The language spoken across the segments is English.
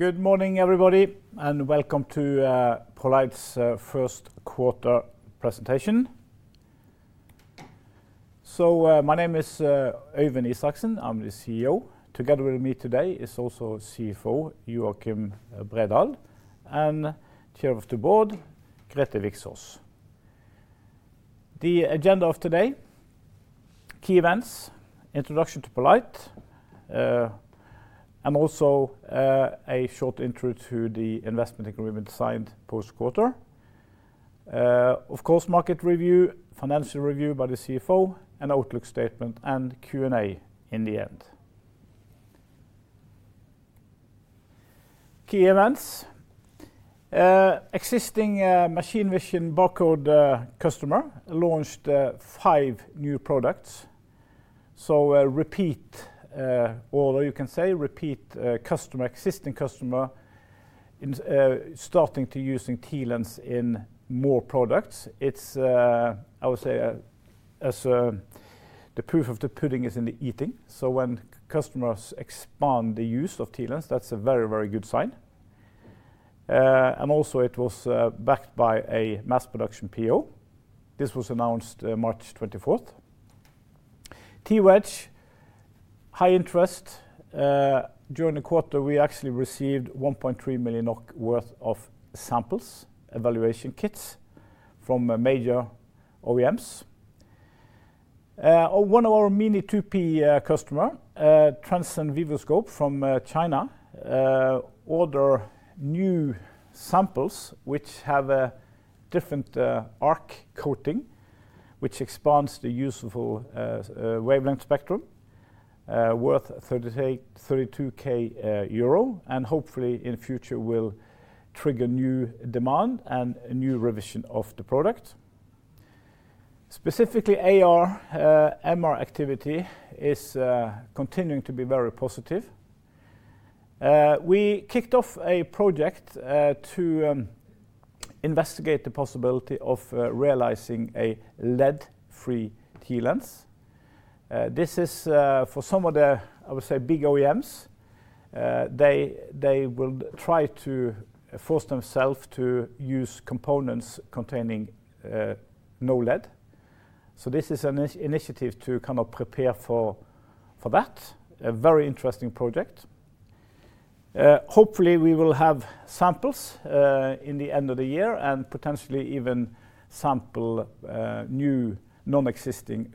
Good morning, everybody, and welcome to poLight's first quarter presentation. My name is Øyvind Isaksen, I'm the CEO. Together with me today is also CFO Joakim Bredahl and Chair of the Board Grethe Viksaas. The agenda of today: key events, introduction to poLight, and also a short intro to the investment agreement signed post-quarter. Of course, market review, financial review by the CFO, an outlook statement, and Q&A in the end. Key events: existing machine vision barcode customer launched five new products. Repeat, or you can say repeat, customer, existing customer starting to using TLens in more products. It's, I would say, as the proof of the pudding is in the eating. When customers expand the use of TLens, that's a very, very good sign. It was backed by a mass production PO. This was announced March 24. TWedge, high interest. During the quarter, we actually received 1.3 million worth of samples, evaluation kits from major OEMs. One of our Mini2P customers, Transcend Vivoscope from China, ordered new samples which have a different AR coating, which expands the useful wavelength spectrum, worth 32,000 euro, and hopefully in the future will trigger new demand and a new revision of the product. Specifically, AR/MR activity is continuing to be very positive. We kicked off a project to investigate the possibility of realizing a lead-free TLens. This is for some of the, I would say, big OEMs. They will try to force themselves to use components containing no lead. This is an initiative to kind of prepare for that, a very interesting project. Hopefully, we will have samples in the end of the year and potentially even sample new non-existing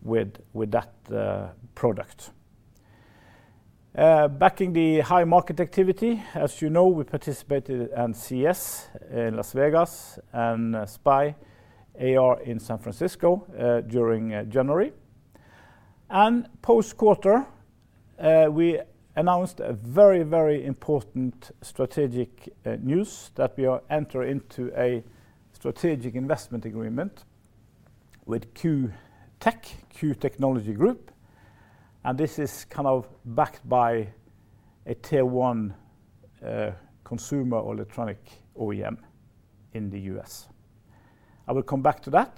customers with that product. Backing the high market activity, as you know, we participated in CES in Las Vegas and SPIE AR in San Francisco during January. Post-quarter, we announced a very, very important strategic news that we are entering into a strategic investment agreement with Q Tech, Q Technology Group. This is kind of backed by a tier one consumer electronic OEM in the U.S. I will come back to that.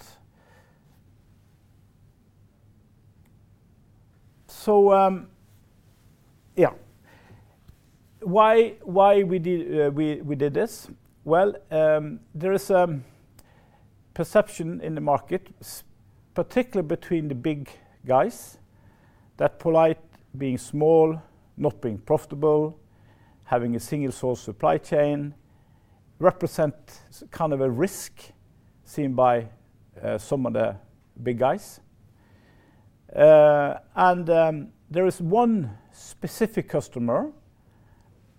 Yeah, why we did this? There is a perception in the market, particularly between the big guys, that poLight, being small, not being profitable, having a single source supply chain, represents kind of a risk seen by some of the big guys. There is one specific customer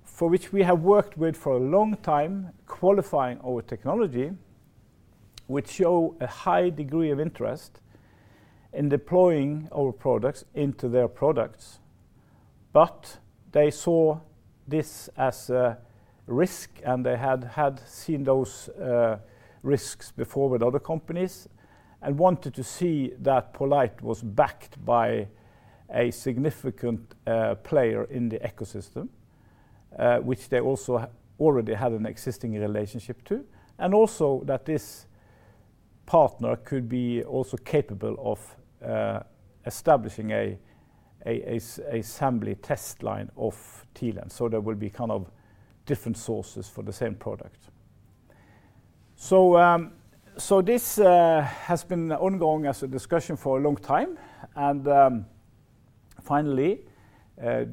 for which we have worked with for a long time, qualifying our technology, which shows a high degree of interest in deploying our products into their products. They saw this as a risk, and they had seen those risks before with other companies and wanted to see that poLight was backed by a significant player in the ecosystem, which they also already had an existing relationship to. They also wanted to see that this partner could be capable of establishing an assembly test line of TLens. There will be kind of different sources for the same product. This has been ongoing as a discussion for a long time. Finally,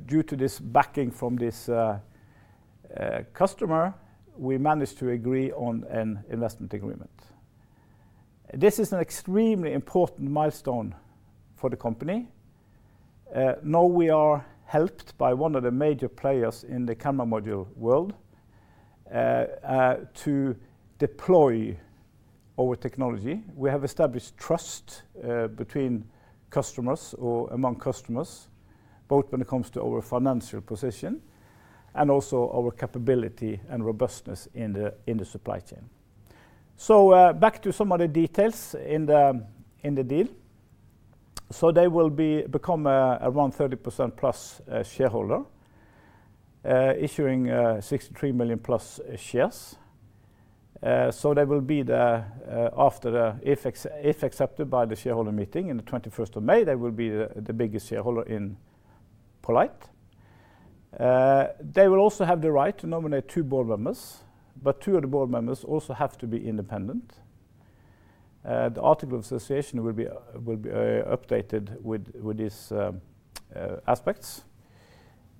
due to this backing from this customer, we managed to agree on an investment agreement. This is an extremely important milestone for the company. Now we are helped by one of the major players in the camera module world to deploy our technology. We have established trust between customers or among customers, both when it comes to our financial position and also our capability and robustness in the supply chain. Back to some of the details in the deal. They will become around 30%+ shareholder, issuing 63 million+ shares. They will be, if accepted by the Shareholder Meeting on the 21st of May, the biggest shareholder in poLight. They will also have the right to nominate two Board Members, but two of the Board Members also have to be independent. The Articles of Association will be updated with these aspects.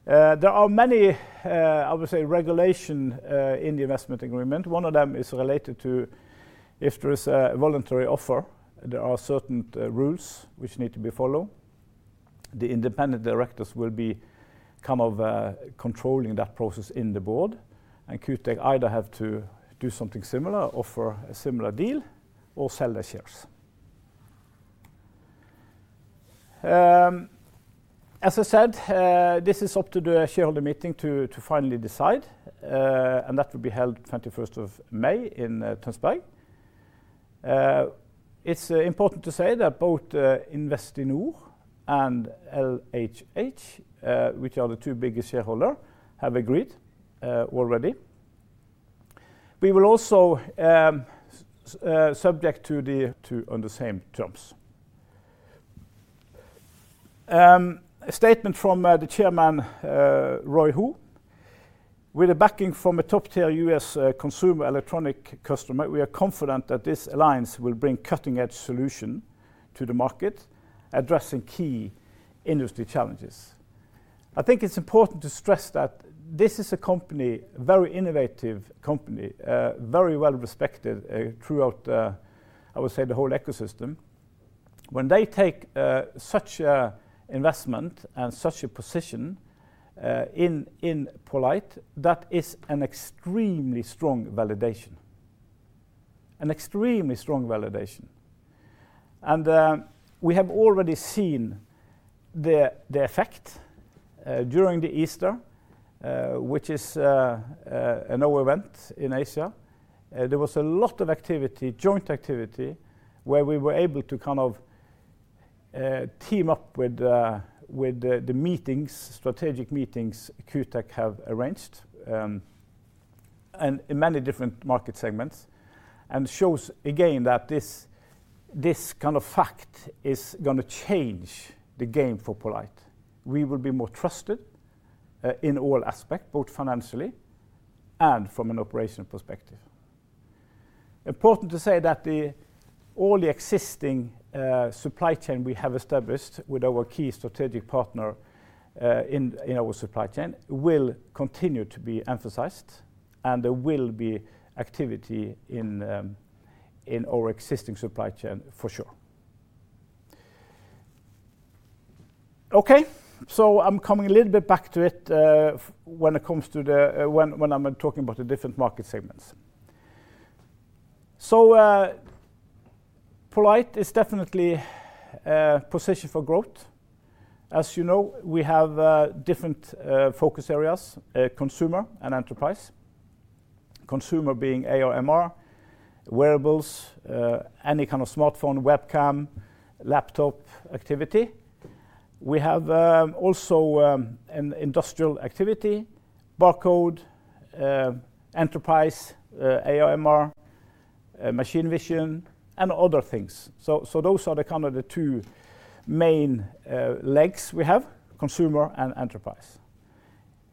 There are many, I would say, regulations in the investment agreement. One of them is related to if there is a voluntary offer, there are certain rules which need to be followed. The Independent Directors will be kind of controlling that process in the Board. Q Tech either have to do something similar, offer a similar deal, or sell their shares. As I said, this is up to the shareholder meeting to finally decide, and that will be held on the 21st of May in Tønsberg. It's important to say that both Investinor Direkte AS and LHH AS, which are the two biggest shareholders, have agreed already. We will also subject to the. To on the same terms. A statement from the Chairman, Roy Ho. With the backing from a top-tier U.S. consumer electronic customer, we are confident that this alliance will bring cutting-edge solutions to the market, addressing key industry challenges. I think it's important to stress that this is a company, a very innovative company, very well respected throughout, I would say, the whole ecosystem. When they take such an investment and such a position in poLight, that is an extremely strong validation, an extremely strong validation. We have already seen the effect during the Easter, which is a new event in Asia. There was a lot of activity, joint activity, where we were able to kind of team up with the meetings, strategic meetings Q Tech have arranged in many different market segments. It shows again that this kind of fact is going to change the game for poLight. We will be more trusted in all aspects, both financially and from an operational perspective. Important to say that all the existing supply chain we have established with our key strategic partner in our supply chain will continue to be emphasized, and there will be activity in our existing supply chain for sure. Okay, I'm coming a little bit back to it when it comes to when I'm talking about the different market segments. poLight is definitely a position for growth. As you know, we have different focus areas, consumer and enterprise, consumer being AR/MR, wearables, any kind of smartphone, webcam, laptop activity. We have also an industrial activity, barcode, enterprise, AR/MR, machine vision, and other things. Those are kind of the two main legs we have, consumer and enterprise.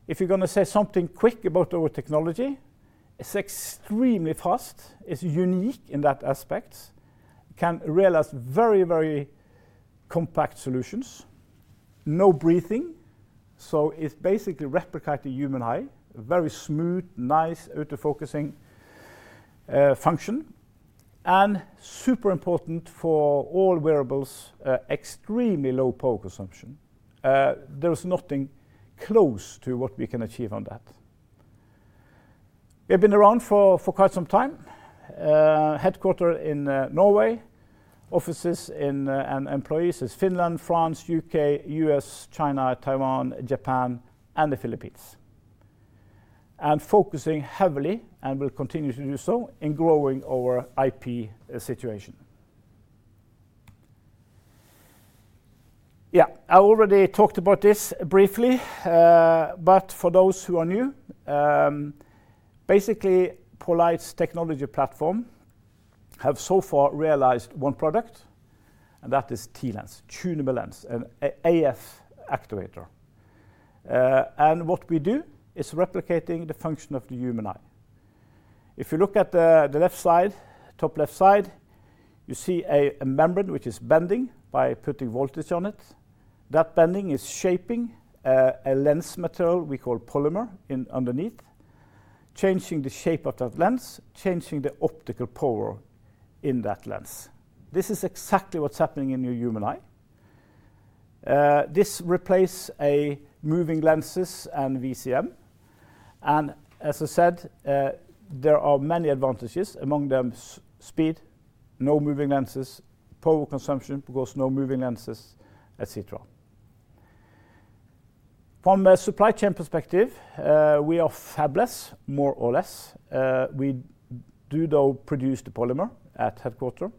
If you're going to say something quick about our technology, it's extremely fast, it's unique in that aspect, can realize very, very compact solutions, no breathing. It's basically replicating human eye, very smooth, nice autofocusing function, and super important for all wearables, extremely low power consumption. There is nothing close to what we can achieve on that. We have been around for quite some time. Headquartered in Norway, offices and employees in Finland, France, U.K., U.S., China, Taiwan, Japan, and the Philippines. Focusing heavily and will continue to do so in growing our IP situation. Yeah, I already talked about this briefly, but for those who are new, basically poLight's technology platform has so far realized one product, and that is TLens, tunable lens, an AF actuator. What we do is replicating the function of the human eye. If you look at the left side, top left side, you see a membrane which is bending by putting voltage on it. That bending is shaping a lens material we call polymer underneath, changing the shape of that lens, changing the optical power in that lens. This is exactly what's happening in your human eye. This replaces moving lenses and VCM. As I said, there are many advantages, among them speed, no moving lenses, power consumption because no moving lenses, et cetera. From a supply chain perspective, we are fabless, more or less. We do though produce the polymer at headquarter,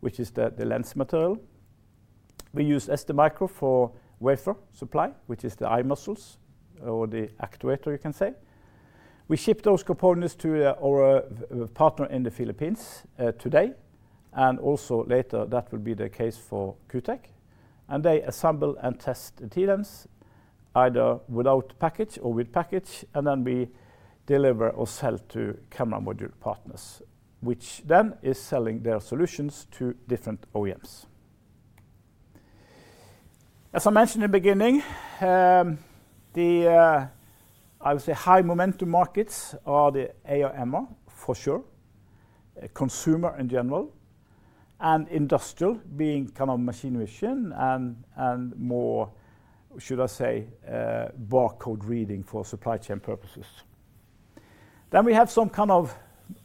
which is the lens material. We use STMicro for wafer supply, which is the eye muscles or the activator, you can say. We ship those components to our partner in the Philippines today, and also later that will be the case for Q Tech. They assemble and test TLens either without package or with package, and then we deliver or sell to camera module partners, which then is selling their solutions to different OEMs. As I mentioned in the beginning, I would say high momentum markets are the AR/MR for sure, consumer in general, and industrial being kind of machine vision and more, should I say, barcode reading for supply chain purposes. We have some kind of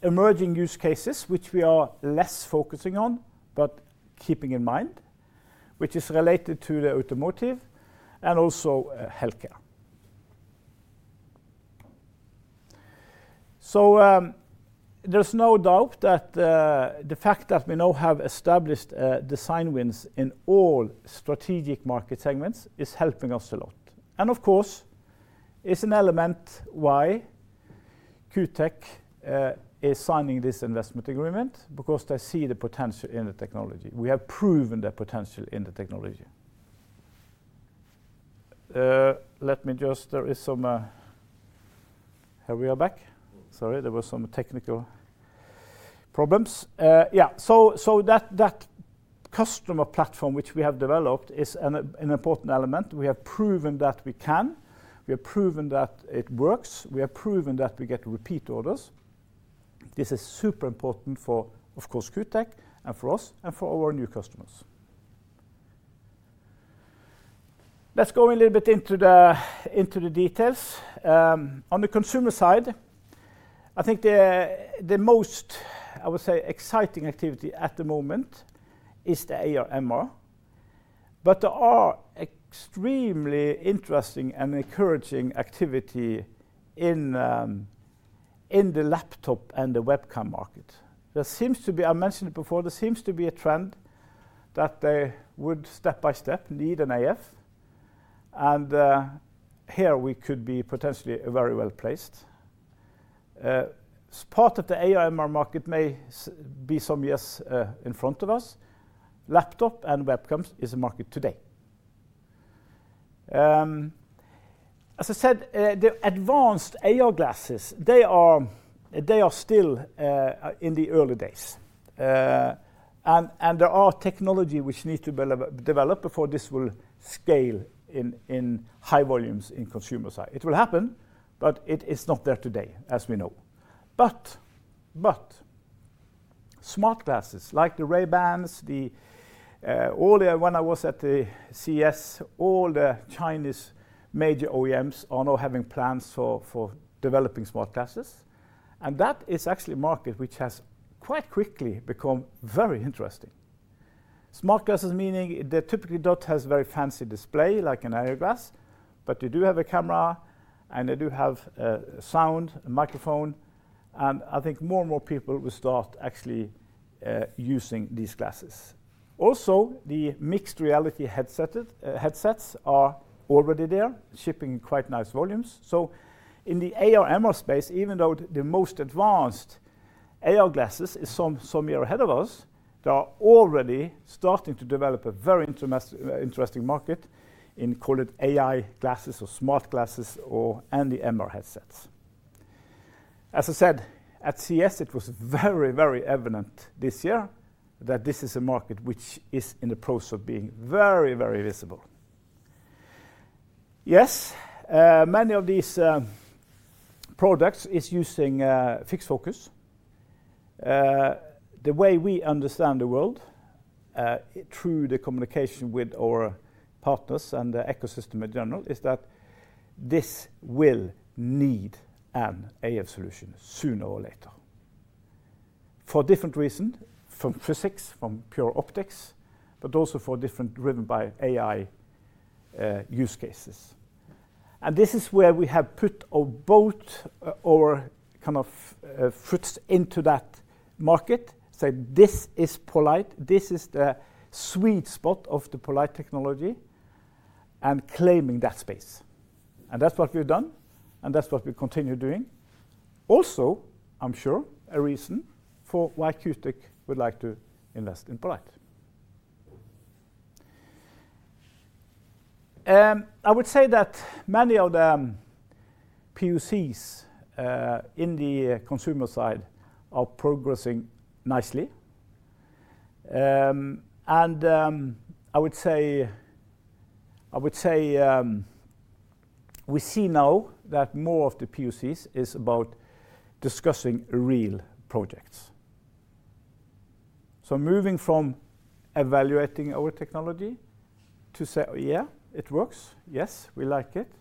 emerging use cases which we are less focusing on but keeping in mind, which is related to the automotive and also healthcare. There is no doubt that the fact that we now have established design wins in all strategic market segments is helping us a lot. Of course, it is an element why Q Tech is signing this investment agreement because they see the potential in the technology. We have proven the potential in the technology. Let me just, there is some, here we are back. Sorry, there were some technical problems. That customer platform which we have developed is an important element. We have proven that we can, we have proven that it works, we have proven that we get repeat orders. This is super important for, of course, Q Tech and for us and for our new customers. Let's go in a little bit into the details. On the consumer side, I think the most, I would say, exciting activity at the moment is the AR/MR. There are extremely interesting and encouraging activity in the laptop and the webcam market. There seems to be, I mentioned it before, there seems to be a trend that they would step by step need an AF. Here we could be potentially very well placed. Part of the AR/MR market may be some years in front of us. Laptop and webcams is a market today. As I said, the advanced AR glasses, they are still in the early days. There are technologies which need to be developed before this will scale in high volumes in the consumer side. It will happen, but it is not there today, as we know. Smart glasses like the Ray-Bans, all the, when I was at the CES, all the Chinese major OEMs are now having plans for developing smart glasses. That is actually a market which has quite quickly become very interesting. Smart glasses meaning they typically do not have a very fancy display like an AR glass, but you do have a camera and they do have sound, a microphone. I think more and more people will start actually using these glasses. Also, the mixed reality headsets are already there, shipping in quite nice volumes. In the AR/MR space, even though the most advanced AR glasses are some years ahead of us, they are already starting to develop a very interesting market in, call it AI glasses or smart glasses and the MR headsets. As I said, at CES, it was very, very evident this year that this is a market which is in the process of being very, very visible. Yes, many of these products are using fixed focus. The way we understand the world through the communication with our partners and the ecosystem in general is that this will need an AF solution sooner or later for different reasons, from physics, from pure optics, but also for different driven by AI use cases. This is where we have put our boat, our kind of foot into that market. This is poLight, this is the sweet spot of the poLight technology and claiming that space. That is what we've done and that is what we continue doing. Also, I'm sure a reason for why Q Tech would like to invest in poLight. I would say that many of the PoCs in the consumer side are progressing nicely. I would say we see now that more of the PoCs is about discussing real projects. Moving from evaluating our technology to say, yeah, it works, yes, we like it,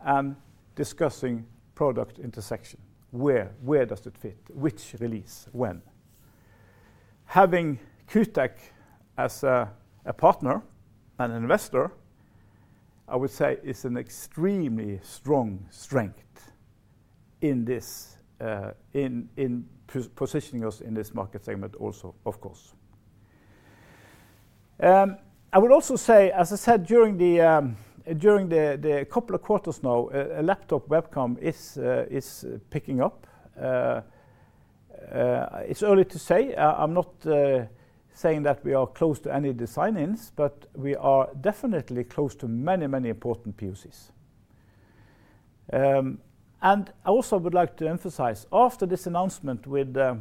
and discussing product intersection. Where does it fit? Which release? When? Having Q Tech as a partner and investor, I would say is an extremely strong strength in positioning us in this market segment also, of course. I would also say, as I said, during the couple of quarters now, a laptop webcam is picking up. It's early to say, I'm not saying that we are close to any design wins, but we are definitely close to many, many important PoCs. I also would like to emphasize after this announcement with the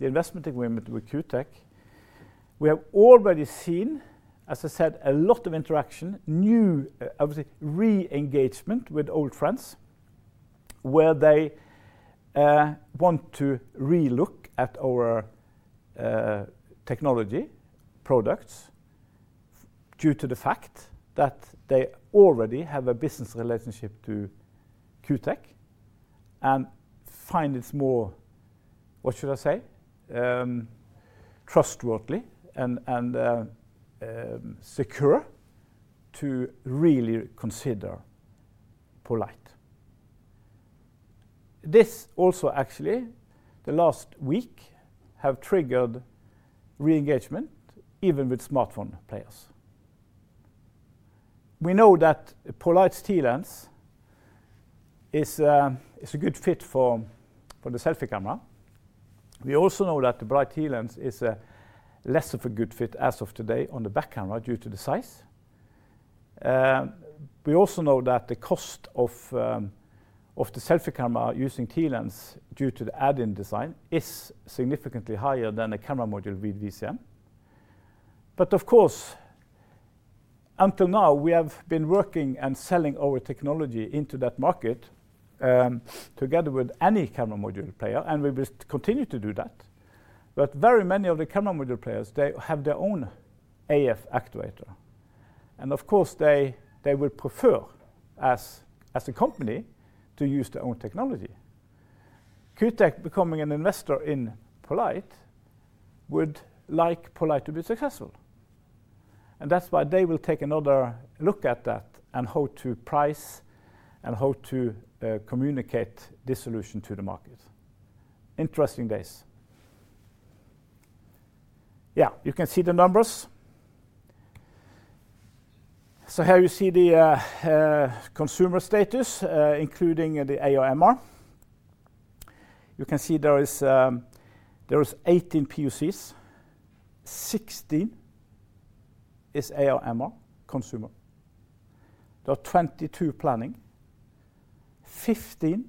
investment agreement with Q Tech, we have already seen, as I said, a lot of interaction, new, I would say, re-engagement with old friends where they want to re-look at our technology products due to the fact that they already have a business relationship to Q Tech and find it's more, what should I say, trustworthy and secure to really consider poLight. This also actually, the last week, has triggered re-engagement even with smartphone players. We know that poLight's TLens is a good fit for the selfie camera. We also know that the bright TLens is less of a good fit as of today on the back camera due to the size. We also know that the cost of the selfie camera using TLens due to the add-in design is significantly higher than a camera module with VCM. Of course, until now, we have been working and selling our technology into that market together with any camera module player, and we will continue to do that. Very many of the camera module players have their own AF actuator. Of course, they would prefer as a company to use their own technology. Q Tech becoming an investor in poLight would like poLight to be successful. That is why they will take another look at that and how to price and how to communicate this solution to the market. Interesting days. Yeah, you can see the numbers. Here you see the consumer status, including the AR/MR. You can see there are 18 PoCs, 16 is AR/MR consumer. There are 22 planning, 15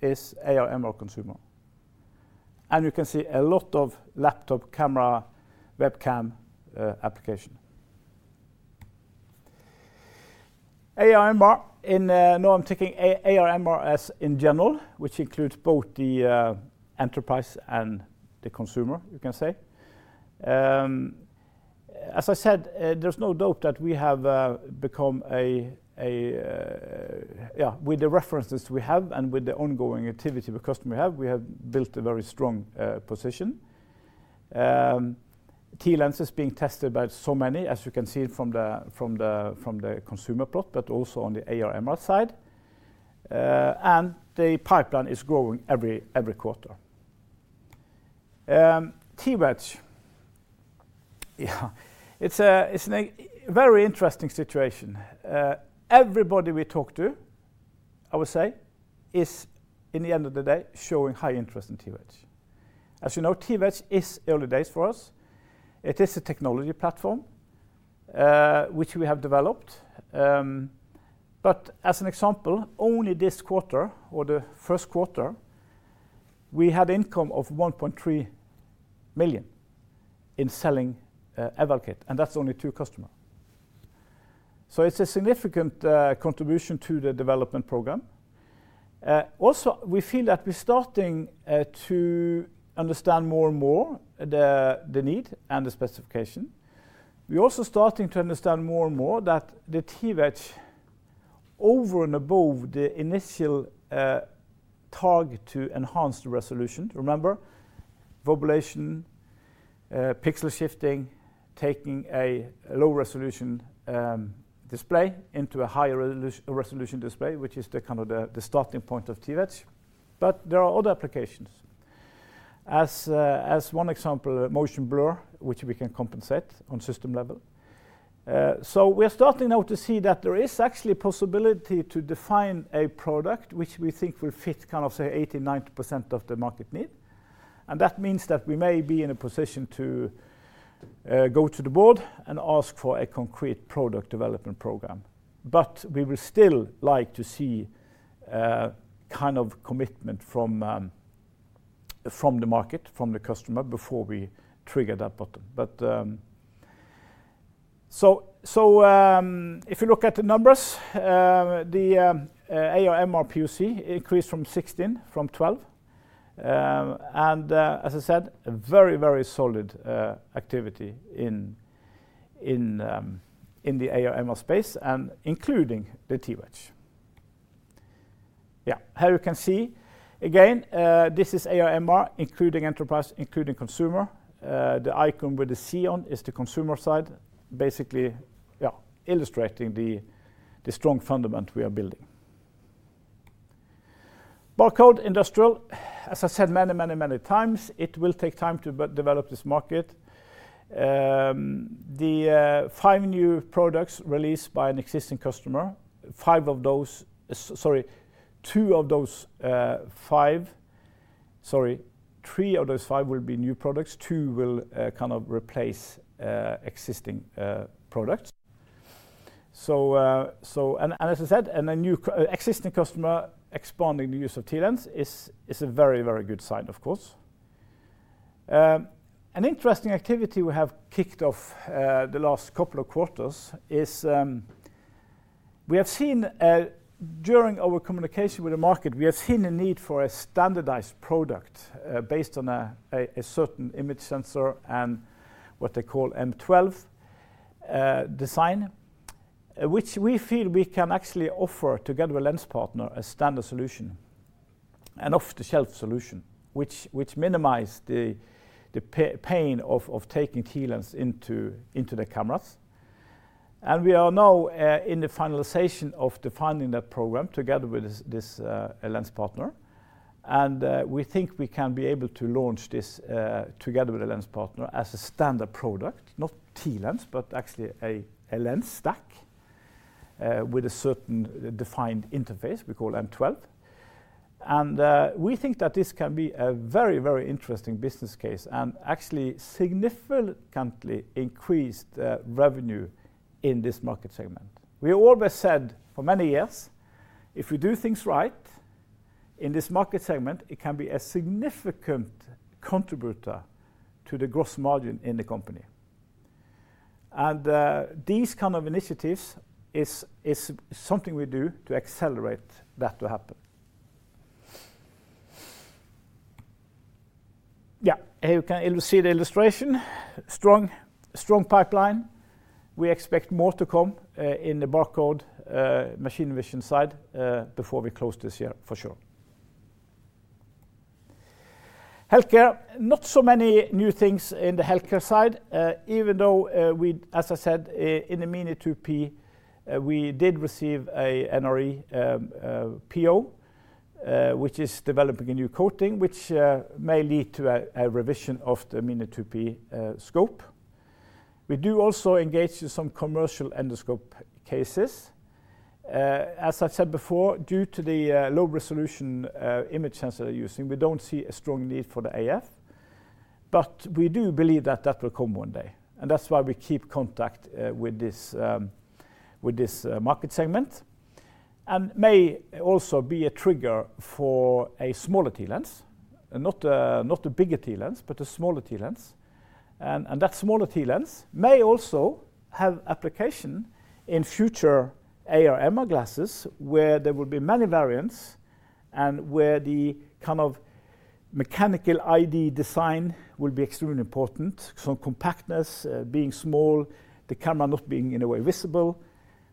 is AR/MR consumer. You can see a lot of laptop camera, webcam application. AR/MR, in now I'm taking AR/MR as in general, which includes both the enterprise and the consumer, you can say. As I said, there's no doubt that we have become a, yeah, with the references we have and with the ongoing activity of the customer we have, we have built a very strong position. TLens is being tested by so many, as you can see from the consumer plot, but also on the AR/MR side. The pipeline is growing every quarter. TWedge, yeah, it's a very interesting situation. Everybody we talk to, I would say, is in the end of the day showing high interest in TWedge. As you know, TWedge is early days for us. It is a technology platform which we have developed. As an example, only this quarter or the first quarter, we had income of 1.3 million in selling eval kit, and that's only two customers. It is a significant contribution to the development program. Also, we feel that we're starting to understand more and more the need and the specification. We're also starting to understand more and more that the TWedge, over and above the initial target to enhance the resolution, remember, vibration, pixel shifting, taking a low resolution display into a higher resolution display, which is the kind of the starting point of TWedge. There are other applications. As one example, motion blur, which we can compensate on system level. We're starting now to see that there is actually a possibility to define a product which we think will fit kind of say 80%-90% of the market need. That means that we may be in a position to go to the Board and ask for a concrete product development program. We would still like to see kind of commitment from the market, from the customer before we trigger that button. If you look at the numbers, the AR/MR PoC increased from 12 to 16. As I said, very, very solid activity in the AR/MR space and including the TWedge. Here you can see again, this is AR/MR including enterprise, including consumer. The icon with the C on is the consumer side, basically, illustrating the strong fundament we are building. Barcode industrial, as I said many, many, many times, it will take time to develop this market. The five new products released by an existing customer, five of those, sorry, two of those five, sorry, three of those five will be new products. Two will kind of replace existing products. As I said, a new existing customer expanding the use of TLens is a very, very good sign, of course. An interesting activity we have kicked off the last couple of quarters is we have seen during our communication with the market, we have seen a need for a standardized product based on a certain image sensor and what they call M12 design, which we feel we can actually offer together with lens partner a standard solution and off-the-shelf solution, which minimize the pain of taking TLens into the cameras. We are now in the finalization of defining that program together with this lens partner. We think we can be able to launch this together with lens partner as a standard product, not TLens, but actually a lens stack with a certain defined interface we call M12. We think that this can be a very, very interesting business case and actually significantly increase revenue in this market segment. We always said for many years, if we do things right in this market segment, it can be a significant contributor to the gross margin in the company. These kind of initiatives are something we do to accelerate that to happen. Here you can see the illustration, strong pipeline. We expect more to come in the barcode machine vision side before we close this year for sure. Healthcare, not so many new things in the healthcare side, even though we, as I said, in the Mini2P, we did receive an NRE PO, which is developing a new coating, which may lead to a revision of the Mini2P scope. We do also engage in some commercial endoscope cases. As I've said before, due to the low resolution image sensor using, we don't see a strong need for the AF. We do believe that that will come one day. That is why we keep contact with this market segment. It may also be a trigger for a smaller TLens, not a bigger TLens, but a smaller TLens. That smaller TLens may also have application in future AR/MR glasses where there will be many variants and where the kind of mechanical ID design will be extremely important. Compactness, being small, the camera not being in a way visible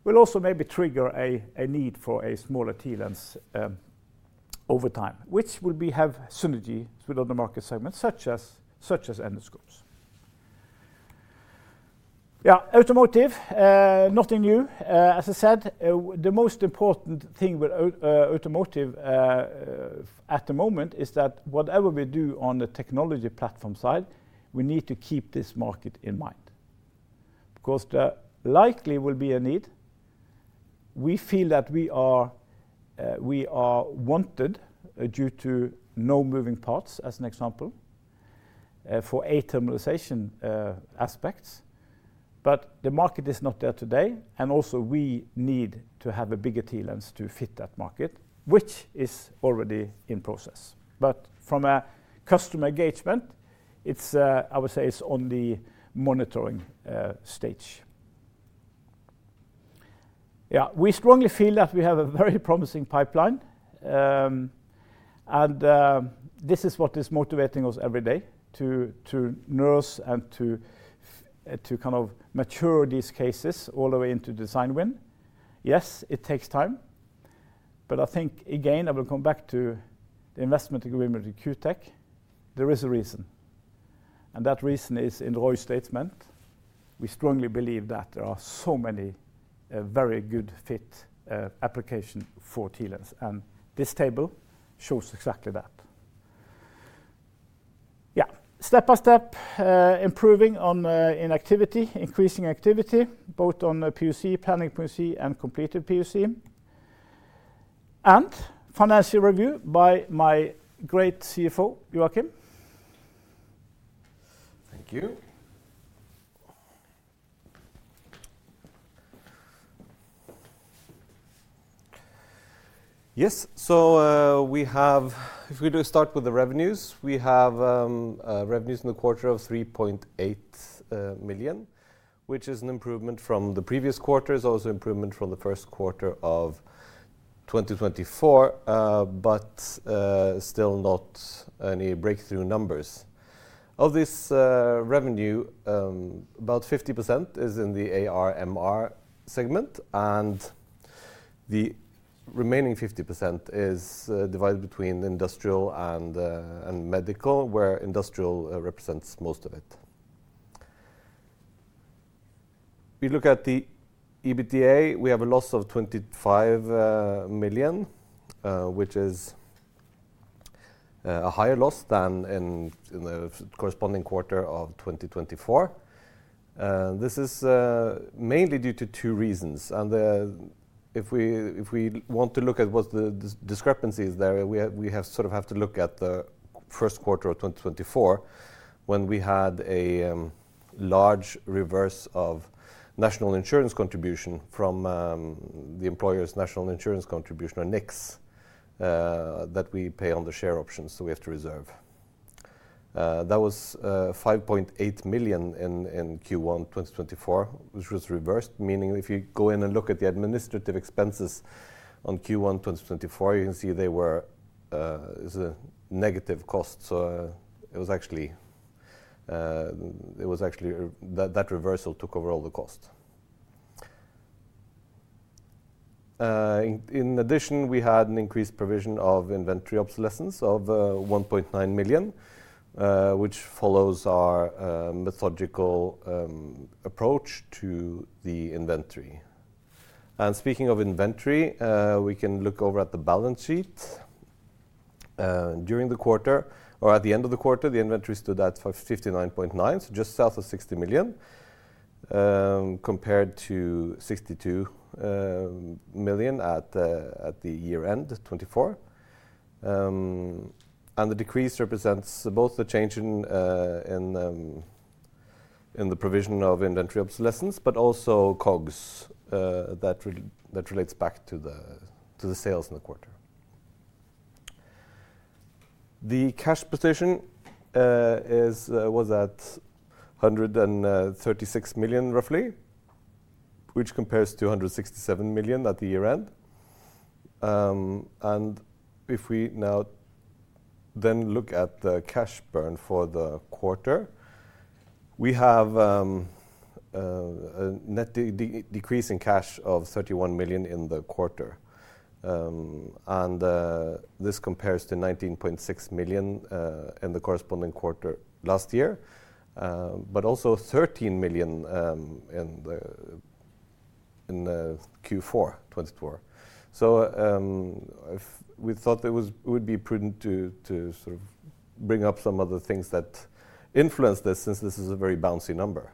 will also maybe trigger a need for a smaller TLens over time, which will have synergy with other market segments such as endoscopes. Yeah, automotive, nothing new. As I said, the most important thing with automotive at the moment is that whatever we do on the technology platform side, we need to keep this market in mind because there likely will be a need. We feel that we are wanted due to no moving parts, as an example, for a terminalization aspects. The market is not there today. Also, we need to have a bigger TLens to fit that market, which is already in process. From a customer engagement, I would say it's on the monitoring stage. Yeah, we strongly feel that we have a very promising pipeline. This is what is motivating us every day to nurse and to kind of mature these cases all the way into design win. Yes, it takes time. I think, again, I will come back to the investment agreement with Q Tech. There is a reason. That reason is in Roy's statement. We strongly believe that there are so many very good fit applications for TLens. This table shows exactly that. Step by step improving on inactivity, increasing activity, both on PoC, planning PoC, and completed PoC. Financial review by my great CFO, Joakim. Thank you. Yes, we have, if we do start with the revenues, we have revenues in the quarter of 3.8 million, which is an improvement from the previous quarter, is also an improvement from the first quarter of 2024, but still not any breakthrough numbers. Of this revenue, about 50% is in the AR/MR segment, and the remaining 50% is divided between industrial and medical, where industrial represents most of it. If we look at the EBITDA, we have a loss of 25 million, which is a higher loss than in the corresponding quarter of 2024. This is mainly due to two reasons. If we want to look at what the discrepancy is there, we sort of have to look at the first quarter of 2024, when we had a large reverse of national insurance contribution from the employer's national insurance contribution, or NICs, that we pay on the share options. We have to reserve. That was 5.8 million in Q1 2024, which was reversed, meaning if you go in and look at the administrative expenses on Q1 2024, you can see they were negative costs. It was actually that reversal took over all the costs. In addition, we had an increased provision of inventory obsolescence of 1.9 million, which follows our methodological approach to the inventory. Speaking of inventory, we can look over at the balance sheet. During the quarter, or at the end of the quarter, the inventory stood at 59.9 million, so just south of 60 million, compared to 62 million at the year end, 2024. The decrease represents both the change in the provision of inventory obsolescence, but also COGS that relates back to the sales in the quarter. The cash position was at 136 million, roughly, which compares to 167 million at the year end. If we now then look at the cash burn for the quarter, we have a net decrease in cash of 31 million in the quarter. This compares to 19.6 million in the corresponding quarter last year, but also 13 million in Q4 2024. We thought it would be prudent to sort of bring up some of the things that influence this since this is a very bouncy number.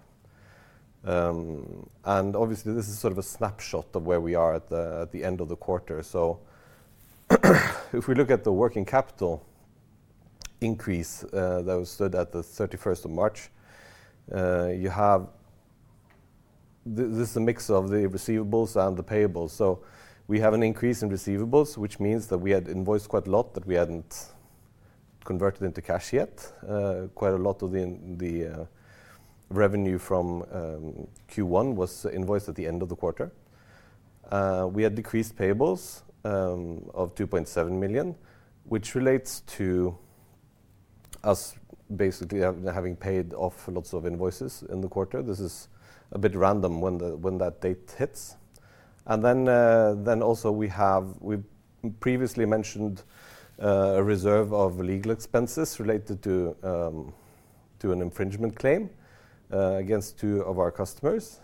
Obviously, this is sort of a snapshot of where we are at the end of the quarter. If we look at the working capital increase that stood at the 31st of March, this is a mix of the receivables and the payables. We have an increase in receivables, which means that we had invoiced quite a lot that we had not converted into cash yet. Quite a lot of the revenue from Q1 was invoiced at the end of the quarter. We had decreased payables of 2.7 million, which relates to us basically having paid off lots of invoices in the quarter. This is a bit random when that date hits. We previously mentioned a reserve of legal expenses related to an infringement claim against two of our customers.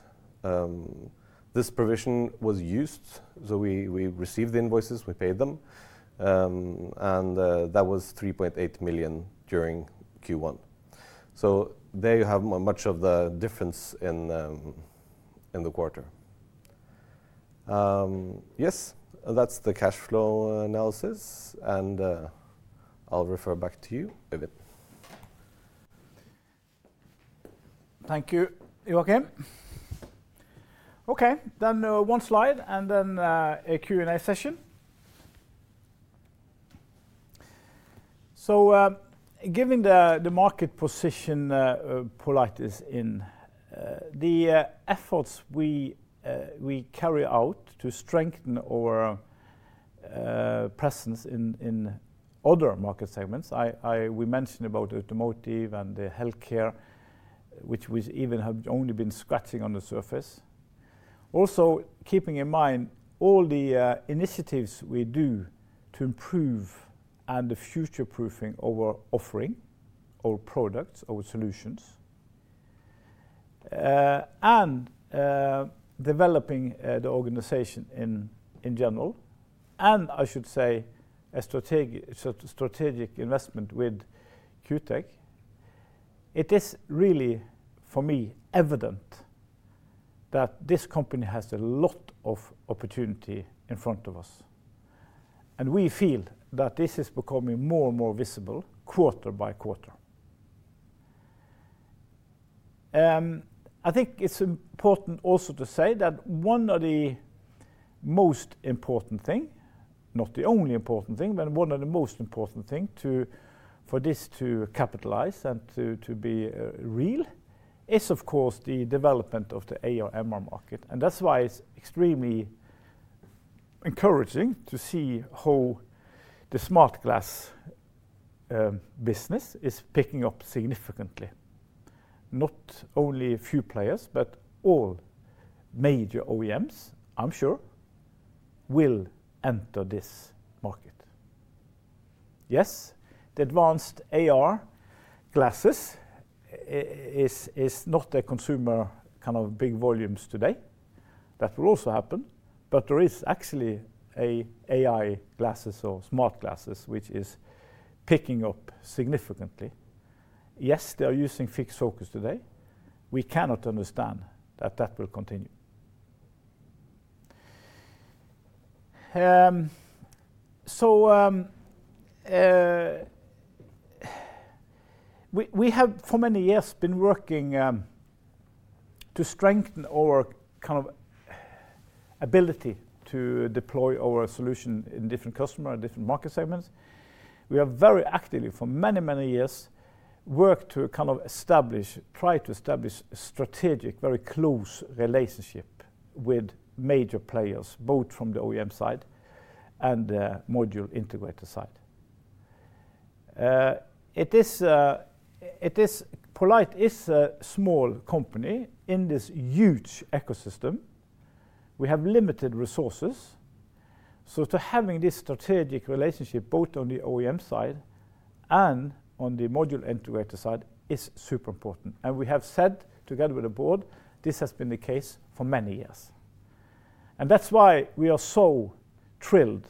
This provision was used. We received the invoices, we paid them. That was 3.8 million during Q1. There you have much of the difference in the quarter. Yes, that's the cash flow analysis. I'll refer back to you. Thank you, Joakim. Okay, one slide and then a Q&A session. Given the market position, poLight is in, the efforts we carry out to strengthen our presence in other market segments, we mentioned automotive and healthcare, which we even have only been scratching on the surface. Also keeping in mind all the initiatives we do to improve and the future proofing of our offering, our products, our solutions, and developing the organization in general, I should say a strategic investment with Q Tech, it is really for me evident that this company has a lot of opportunity in front of us. We feel that this is becoming more and more visible quarter by quarter. I think it's important also to say that one of the most important things, not the only important thing, but one of the most important things for this to capitalize and to be real is, of course, the development of the AR/MR market. That's why it's extremely encouraging to see how the smart glass business is picking up significantly. Not only a few players, but all major OEMs, I'm sure, will enter this market. Yes, the advanced AR glasses is not a consumer kind of big volumes today. That will also happen. There is actually an AI glasses or smart glasses, which is picking up significantly. Yes, they are using fixed focus today. We cannot understand that that will continue. We have for many years been working to strengthen our kind of ability to deploy our solution in different customers, different market segments. We have very actively for many, many years worked to kind of establish, try to establish a strategic, very close relationship with major players, both from the OEM side and the module integrator side. It is poLight, it's a small company in this huge ecosystem. We have limited resources. Having this strategic relationship, both on the OEM side and on the module integrator side, is super important. We have said together with the Board, this has been the case for many years. That is why we are so thrilled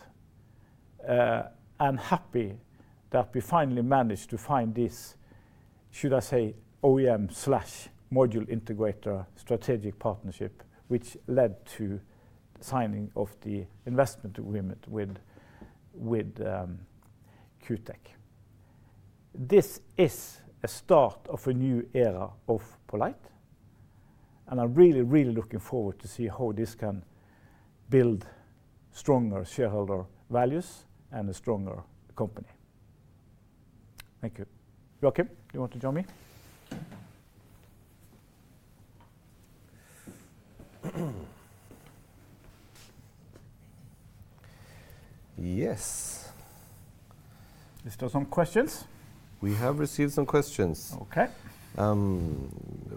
and happy that we finally managed to find this, should I say, OEM/module integrator strategic partnership, which led to signing of the investment agreement with Q Tech. This is a start of a new era of poLight. I am really, really looking forward to see how this can build stronger shareholder values and a stronger company. Thank you. Joakim, do you want to join me? Yes. Is there some questions? We have received some questions. Okay.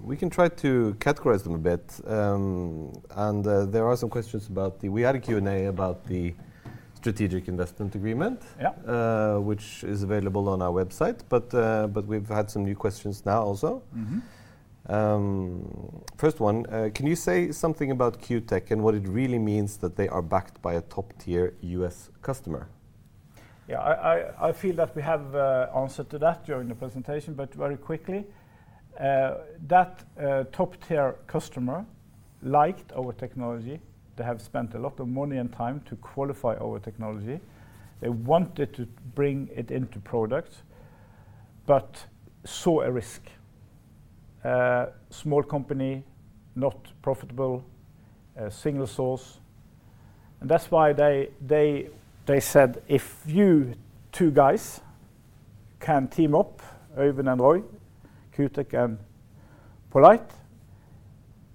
We can try to categorize them a bit. There are some questions about the Q&A about the strategic investment agreement, which is available on our website. We have had some new questions now also. First one, can you say something about Q Tech and what it really means that they are backed by a top-tier U.S. customer? Yeah, I feel that we have answered to that during the presentation, but very quickly. That top-tier customer liked our technology. They have spent a lot of money and time to qualify our technology. They wanted to bring it into products, but saw a risk. Small company, not profitable, single source. That is why they said, if you two guys can team up, Øyvind and Roy, Q Tech and poLight,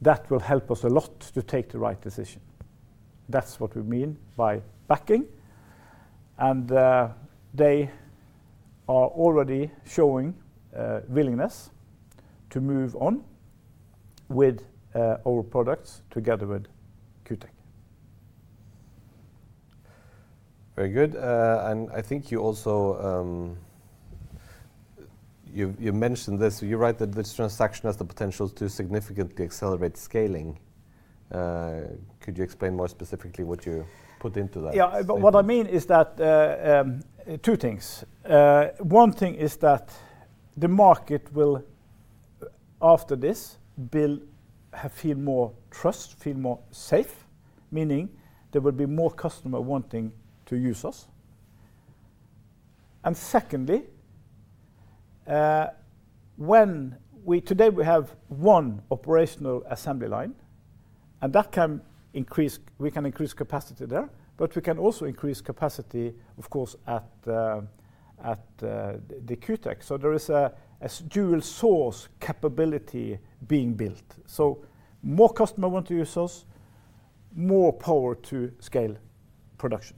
that will help us a lot to take the right decision. That is what we mean by backing. They are already showing willingness to move on with our products together with Q Tech. Very good. I think you also mentioned this. You write that this transaction has the potential to significantly accelerate scaling. Could you explain more specifically what you put into that? Yeah, but what I mean is that two things. One thing is that the market will, after this, feel more trust, feel more safe, meaning there will be more customers wanting to use us. Secondly, when we today we have one operational assembly line, and that can increase, we can increase capacity there, but we can also increase capacity, of course, at the Q Tech. There is a dual source capability being built. More customers want to use us, more power to scale production.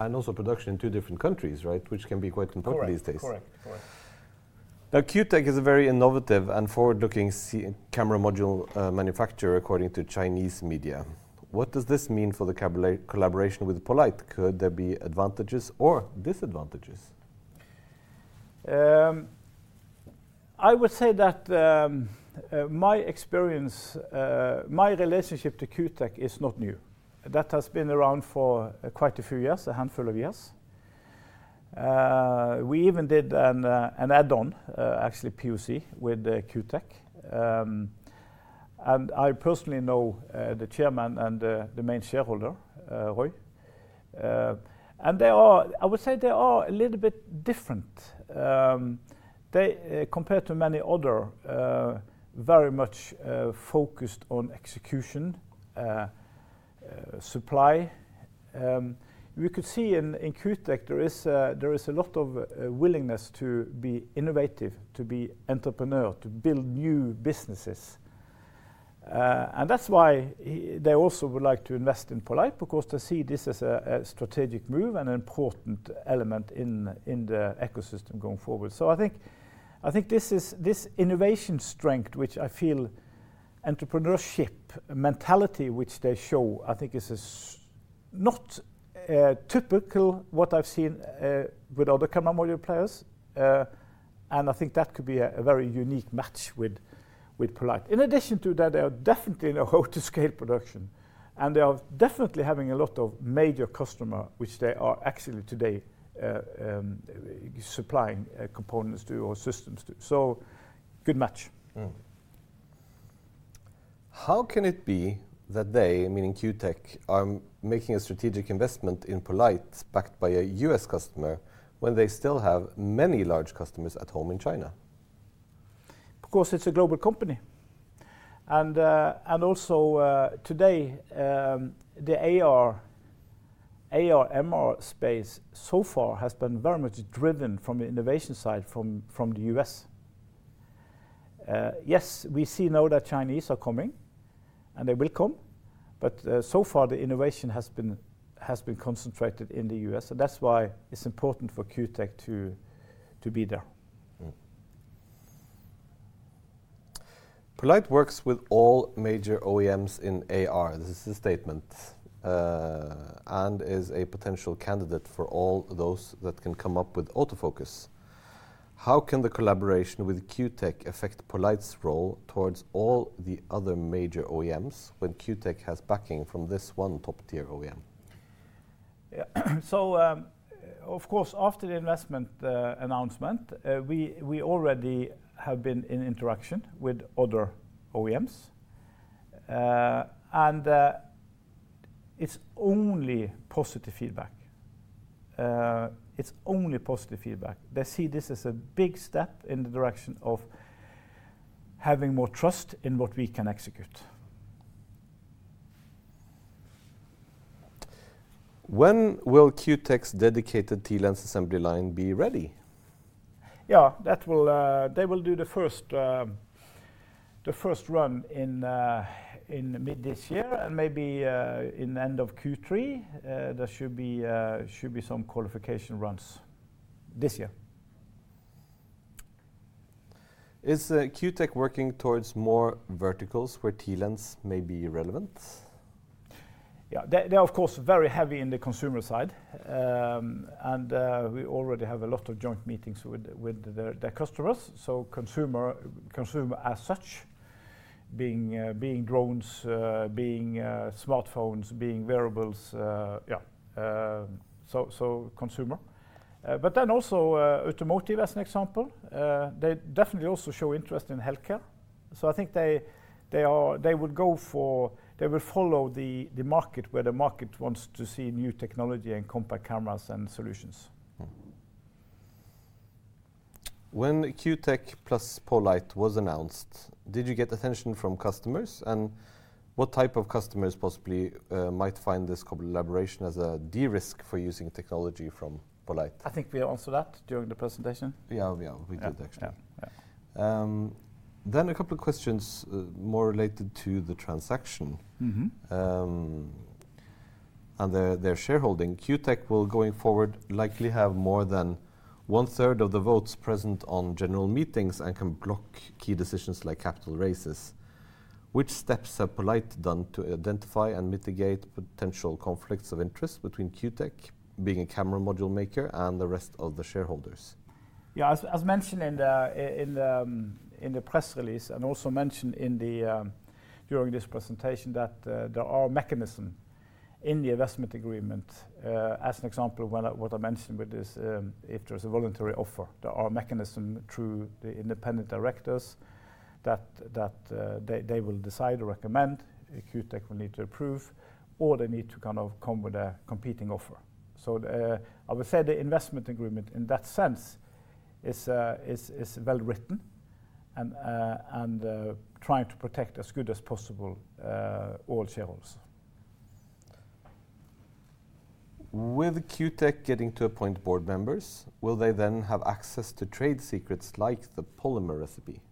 Also, production in two different countries, right, which can be quite important these days. Correct. Now, Q Tech is a very innovative and forward-looking camera module manufacturer, according to Chinese media. What does this mean for the collaboration with poLight? Could there be advantages or disadvantages? I would say that my experience, my relationship to Q Tech is not new. That has been around for quite a few years, a handful of years. We even did an add-on, actually PoC with Q Tech. And I personally know the chairman and the main shareholder, Roy. I would say they are a little bit different compared to many others, very much focused on execution, supply. We could see in Q Tech there is a lot of willingness to be innovative, to be entrepreneur, to build new businesses. That is why they also would like to invest in poLight, because they see this as a strategic move and an important element in the ecosystem going forward. I think this innovation strength, which I feel, entrepreneurship mentality, which they show, I think is not typical, what I've seen with other camera module players. I think that could be a very unique match with poLight. In addition to that, they are definitely in a hope to scale production. They are definitely having a lot of major customers, which they are actually today supplying components to or systems to. Good match. How can it be that they, meaning Q Tech, are making a strategic investment in poLight, backed by a U.S. customer, when they still have many large customers at home in China? Of course, it is a global company. Also today, the AR, AR/MR space so far has been very much driven from the innovation side from the U.S. Yes, we see now that Chinese are coming, and they will come. So far, the innovation has been concentrated in the U.S. That is why it is important for Q Tech to be there. poLight works with all major OEMs in AR. This is a statement and is a potential candidate for all those that can come up with autofocus. How can the collaboration with Q Tech affect poLight's role towards all the other major OEMs when Q Tech has backing from this one top-tier OEM? Yeah, of course, after the investment announcement, we already have been in interaction with other OEMs. It's only positive feedback. It's only positive feedback. They see this as a big step in the direction of having more trust in what we can execute. When will Q Tech's dedicated TLens assembly line be ready? Yeah, they will do the first run in mid this year. Maybe in the end of Q3, there should be some qualification runs this year. Is Q Tech working towards more verticals where TLens may be relevant? Yeah, they're of course very heavy in the consumer side. We already have a lot of joint meetings with their customers. Consumer as such, being drones, being smartphones, being wearables, yeah, consumer. Also automotive as an example. They definitely also show interest in healthcare. I think they would go for, they will follow the market where the market wants to see new technology and compact cameras and solutions. When Q Tech plus poLight was announced, did you get attention from customers? What type of customers possibly might find this collaboration as a de-risk for using technology from poLight? I think we answered that during the presentation. Yeah, we did, actually. A couple of questions more related to the transaction and their shareholding. Q Tech will going forward likely have more than 1/3 of the votes present on general meetings and can block key decisions like capital raises. Which steps have poLight done to identify and mitigate potential conflicts of interest between Q Tech, being a camera module maker, and the rest of the shareholders? Yeah, as mentioned in the press release, and also mentioned during this presentation that there are mechanisms in the investment agreement, as an example of what I mentioned with this, if there's a voluntary offer, there are mechanisms through the independent directors that they will decide or recommend. Q Tech will need to approve, or they need to kind of come with a competing offer. I would say the investment agreement in that sense is well-written and trying to protect as good as possible all shareholders. With Q Tech getting to appoint Board Members, will they then have access to trade secrets like the polymer recipe?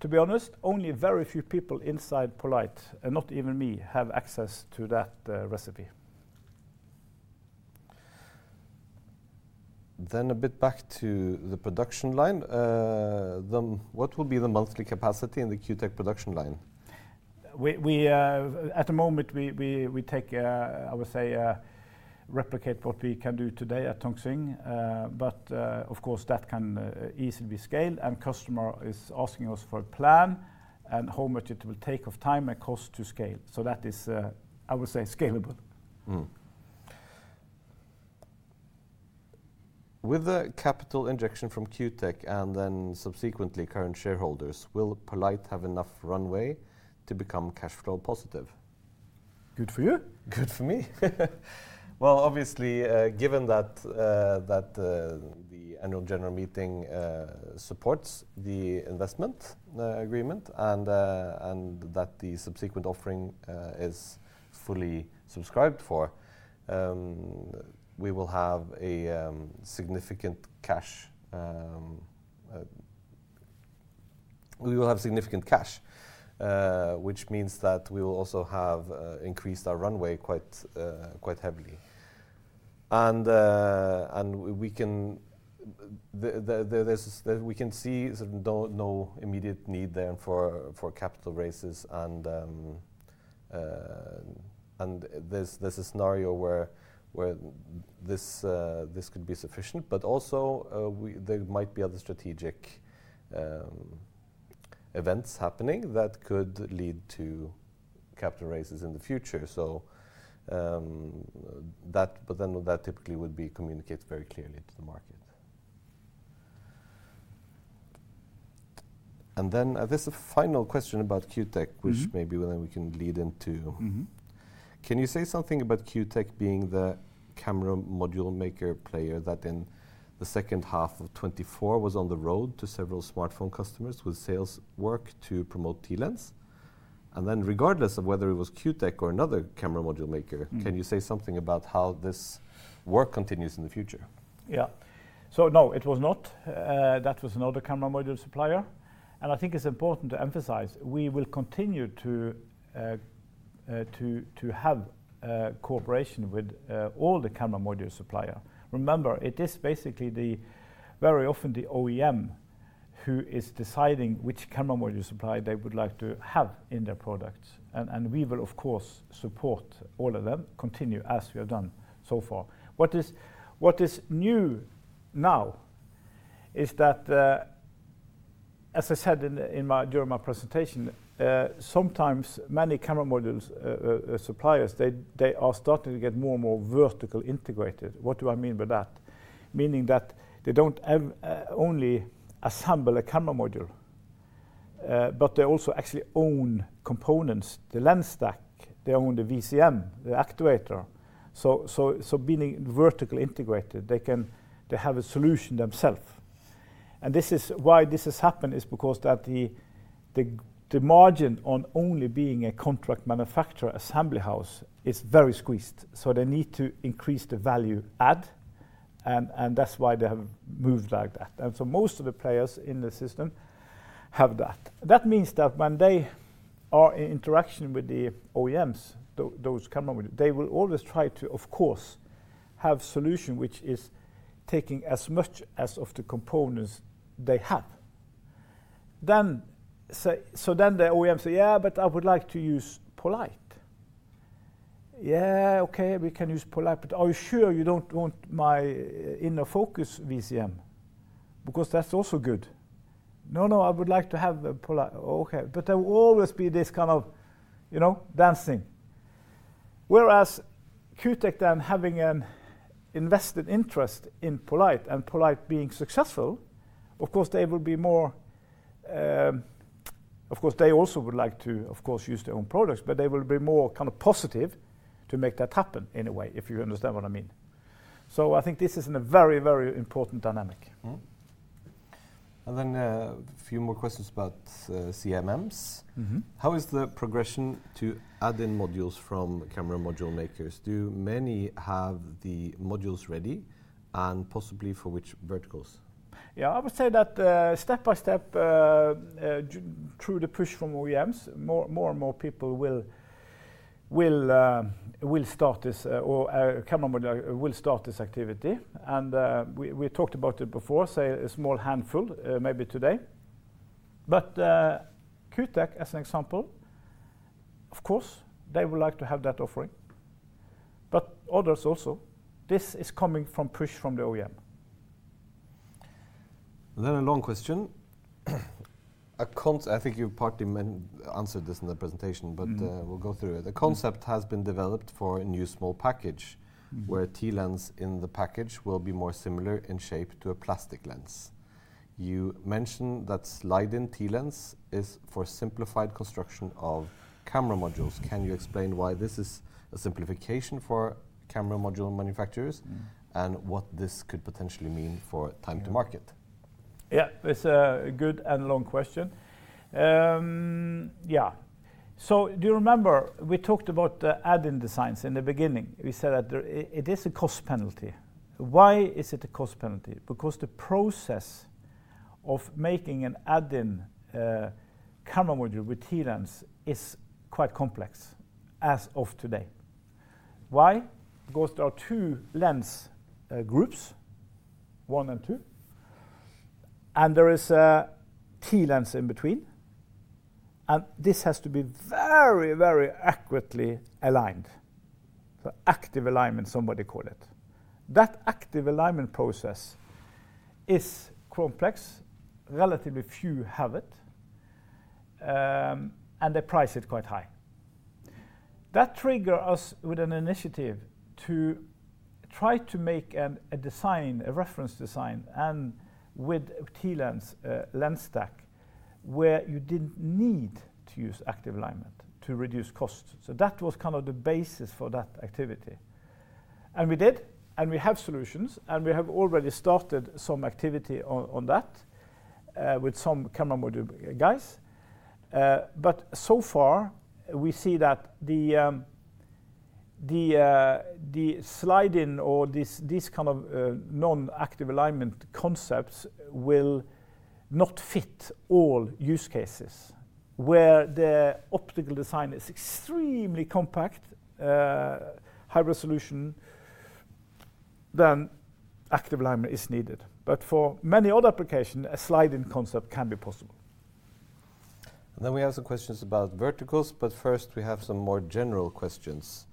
To be honest, only very few people inside poLight, and not even me, have access to that recipe. A bit back to the production line. What will be the monthly capacity in the Q Tech production line? At the moment, I would say, we replicate what we can do today at Tong Hsing. Of course, that can easily be scaled. Customer is asking us for a plan and how much it will take of time and cost to scale. That is, I would say, scalable. With the capital injection from Q Tech and then subsequently current shareholders, will poLight have enough runway to become cash flow positive? Good for you. Good for me. Obviously, given that the annual general meeting supports the investment agreement and that the subsequent offering is fully subscribed for, we will have significant cash, which means that we will also have increased our runway quite heavily. We can see no immediate need there for capital raises. There is a scenario where this could be sufficient. There might be other strategic events happening that could lead to capital raises in the future. That typically would be communicated very clearly to the market. This is a final question about Q Tech, which maybe we can lead into. Can you say something about Q Tech being the camera module maker player that in the second half of 2024 was on the road to several smartphone customers with sales work to promote TLens? Regardless of whether it was Q Tech or another camera module maker, can you say something about how this work continues in the future? Yeah. No, it was not. That was another camera module supplier. I think it's important to emphasize, we will continue to have cooperation with all the camera module supplier. Remember, it is basically very often the OEM who is deciding which camera module supplier they would like to have in their products. We will, of course, support all of them, continue as we have done so far. What is new now is that, as I said during my presentation, sometimes many camera module suppliers, they are starting to get more and more vertical integrated. What do I mean by that? Meaning that they don't only assemble a camera module, but they also actually own components, the lens stack, they own the VCM, the actuator. Being vertically integrated, they have a solution themselves. This is why this has happened, because the margin on only being a contract manufacturer assembly house is very squeezed. They need to increase the value add. That is why they have moved like that. Most of the players in the system have that. That means that when they are in interaction with the OEMs, those camera modules, they will always try to, of course, have a solution which is taking as much as of the components they have. The OEM says, yeah, but I would like to use poLight. Yeah, okay, we can use poLight, but are you sure you do not want my inner focus VCM? Because that is also good. No, no, I would like to have poLight. There will always be this kind of dancing. Q Tech then having an invested interest in poLight and poLight being successful, of course, they will be more, of course, they also would like to, of course, use their own products, but they will be more kind of positive to make that happen in a way, if you understand what I mean. I think this is a very, very important dynamic. A few more questions about CMMs. How is the progression to add-in modules from camera module makers? Do many have the modules ready and possibly for which verticals? I would say that step by step, through the push from OEMs, more and more people will start this or camera module will start this activity. We talked about it before, say a small handful, maybe today. Q Tech, as an example, of course, they would like to have that offering. Others also, this is coming from push from the OEM. A long question. I think you partly answered this in the presentation, but we'll go through it. The concept has been developed for a new small package where TLens in the package will be more similar in shape to a plastic lens. You mentioned that slide-in TLens is for simplified construction of camera modules. Can you explain why this is a simplification for camera module manufacturers and what this could potentially mean for time to market? Yeah, it's a good and long question. Yeah. Do you remember we talked about the add-in designs in the beginning? We said that it is a cost penalty. Why is it a cost penalty? Because the process of making an add-in camera module with TLens is quite complex as of today. Why? Because there are two lens groups, one and two. There is a TLens in between. This has to be very, very accurately aligned. Active alignment, somebody called it. That active alignment process is complex. Relatively few have it. They price it quite high. That triggered us with an initiative to try to make a design, a reference design, and with TLens, lens stack, where you did not need to use active alignment to reduce costs. That was kind of the basis for that activity. We did. We have solutions. We have already started some activity on that with some camera module guys. So far, we see that the slide-in or these kind of non-active alignment concepts will not fit all use cases where the optical design is extremely compact, high resolution, then active alignment is needed. For many other applications, a slide-in concept can be possible. We have some questions about verticals. First, we have some more general questions.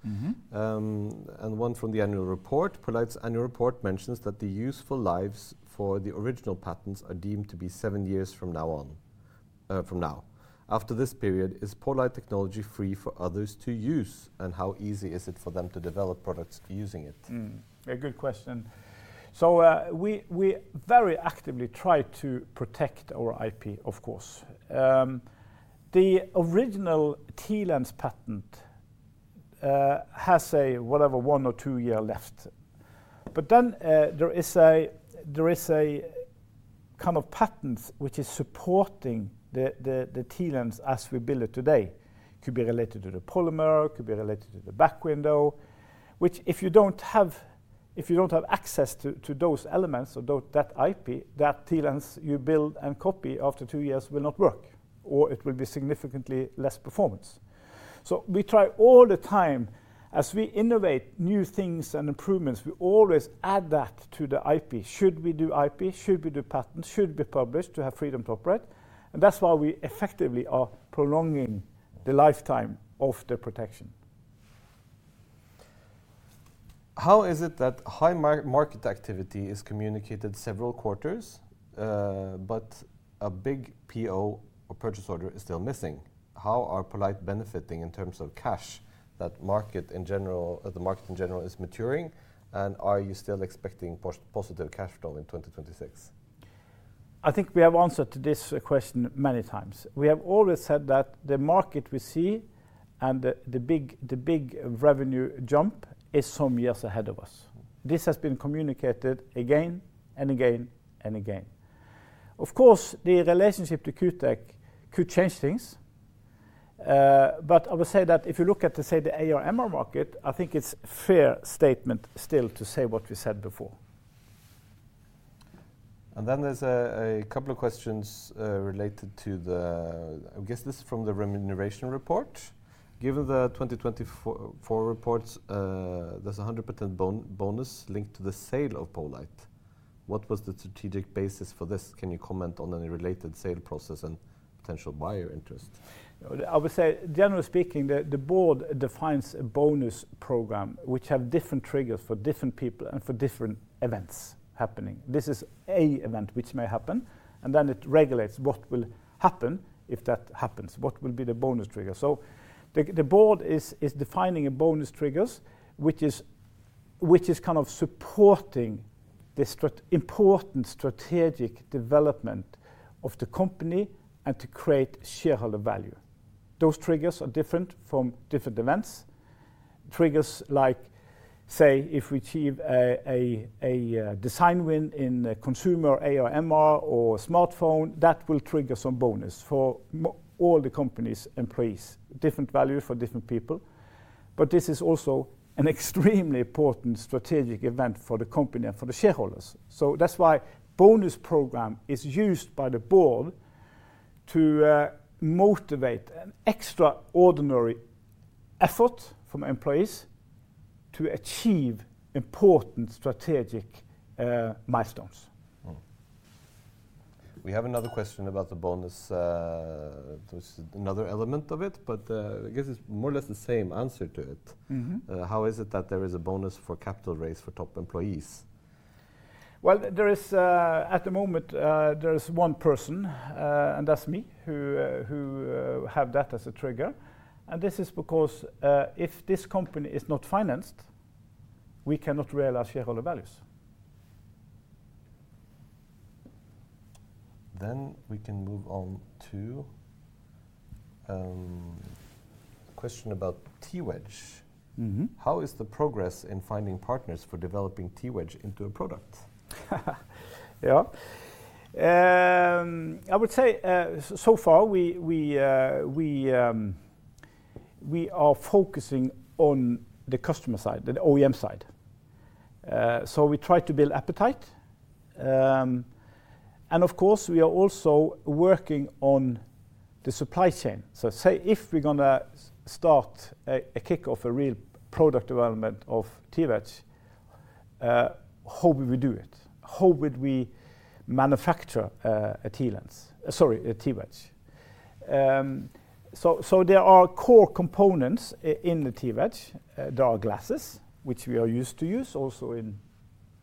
One from the Annual Report. poLight's Annual Report mentions that the useful lives for the original patents are deemed to be seven years from now. After this period, is poLight technology free for others to use? How easy is it for them to develop products using it? Yeah, good question. We very actively try to protect our IP, of course. The original TLens patent has, whatever, one or two years left. There is a kind of patent which is supporting the TLens as we build it today. It could be related to the polymer, could be related to the back window, which if you do not have access to those elements or that IP, that TLens you build and copy after two years will not work. It will be significantly less performance. We try all the time, as we innovate new things and improvements, we always add that to the IP. Should we do IP? Should we do patent? Should we publish to have freedom to operate? That is why we effectively are prolonging the lifetime of the protection. How is it that high market activity is communicated several quarters, but a big PO or purchase order is still missing? How are poLight benefiting in terms of cash? That market in general, the market in general is maturing. Are you still expecting positive cash flow in 2026? I think we have answered to this question many times. We have always said that the market we see and the big revenue jump is some years ahead of us. This has been communicated again and again and again. Of course, the relationship to Q Tech could change things. I would say that if you look at, say, the AR/MR market, I think it's a fair statement still to say what we said before. There are a couple of questions related to the, I guess this is from the remuneration report. Given the 2024 reports, there's a 100% bonus linked to the sale of poLight. What was the strategic basis for this? Can you comment on any related sale process and potential buyer interest? I would say, generally speaking, the Board defines a bonus program, which have different triggers for different people and for different events happening. This is an event which may happen. It regulates what will happen if that happens. What will be the bonus trigger? The Board is defining bonus triggers, which is kind of supporting the important strategic development of the company and to create shareholder value. Those triggers are different from different events. Triggers like, say, if we achieve a design win in consumer AR/MR or smartphone, that will trigger some bonus for all the company's employees. Different value for different people. This is also an extremely important strategic event for the company and for the shareholders. That is why the bonus program is used by the Board to motivate an extraordinary effort from employees to achieve important strategic milestones. We have another question about the bonus, which is another element of it, but I guess it's more or less the same answer to it. How is it that there is a bonus for capital raise for top employees? There is, at the moment, one person, and that's me, who have that as a trigger. This is because if this company is not financed, we cannot realize shareholder values. We can move on to a question about TWedge. How is the progress in finding partners for developing TWedge into a product? Yeah. I would say so far, we are focusing on the customer side, the OEM side. We try to build appetite. Of course, we are also working on the supply chain. Say if we're going to start a kick-off, a real product development of TWedge, how would we do it? How would we manufacture a TLens? Sorry, a TWedge? There are core components in the TWedge. There are glasses, which we are used to use also in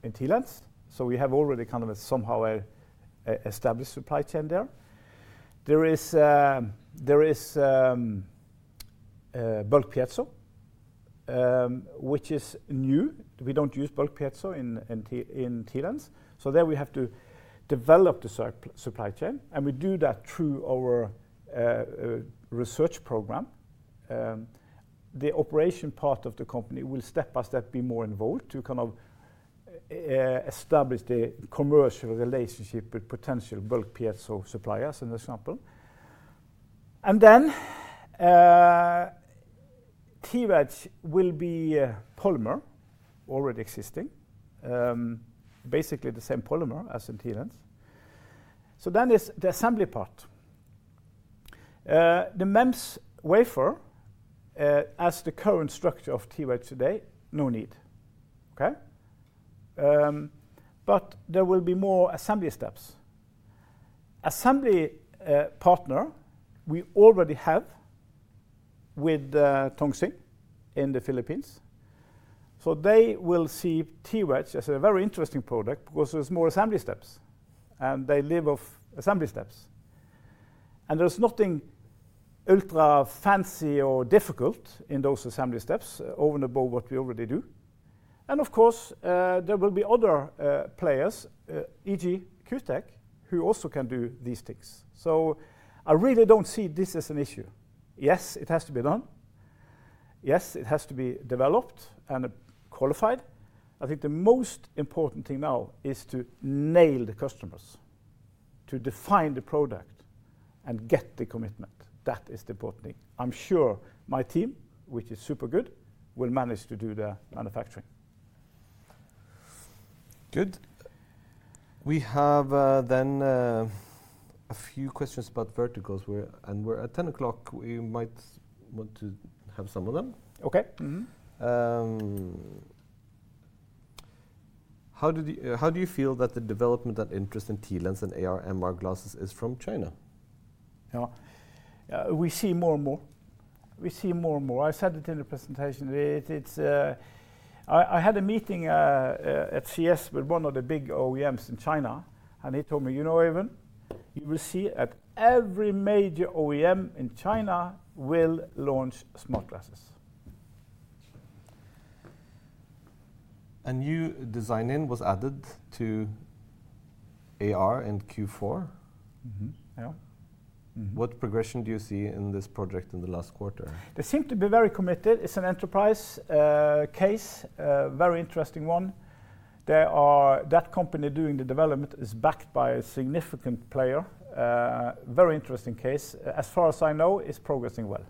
TLens. We have already kind of somehow established supply chain there. There is bulk piezo, which is new. We do not use bulk piezo in TLens. There we have to develop the supply chain. We do that through our research program. The operation part of the company will step by step be more involved to kind of establish the commercial relationship with potential bulk piezo suppliers, as an example. TWedge will be polymer, already existing, basically the same polymer as in TLens. There is the assembly part. The MEMS wafer, as the current structure of TWedge today, no need. Okay? There will be more assembly steps. Assembly partner, we already have with Tong Hsing in the Philippines. They will see TWedge as a very interesting product because there are more assembly steps. They live off assembly steps. There is nothing ultra fancy or difficult in those assembly steps, over and above what we already do. Of course, there will be other players, e.g., Q Tech, who also can do these things. I really don't see this as an issue. Yes, it has to be done. Yes, it has to be developed and qualified. I think the most important thing now is to nail the customers, to define the product and get the commitment. That is the important thing. I'm sure my team, which is super good, will manage to do the manufacturing. Good. We have then a few questions about verticals. We're at 10:00 A.M. We might want to have some of them. Okay. How do you feel that the development and interest in TLens and AR/MR glasses is from China? Yeah. We see more and more. We see more and more. I said it in the presentation. I had a meeting at CES with one of the big OEMs in China. He told me, you know, Øyvind, you will see that every major OEM in China will launch smart glasses. A new design-in was added to AR in Q4. Yeah. What progression do you see in this project in the last quarter? They seem to be very committed. It's an enterprise case, a very interesting one. That company doing the development is backed by a significant player. Very interesting case. As far as I know, it's progressing well.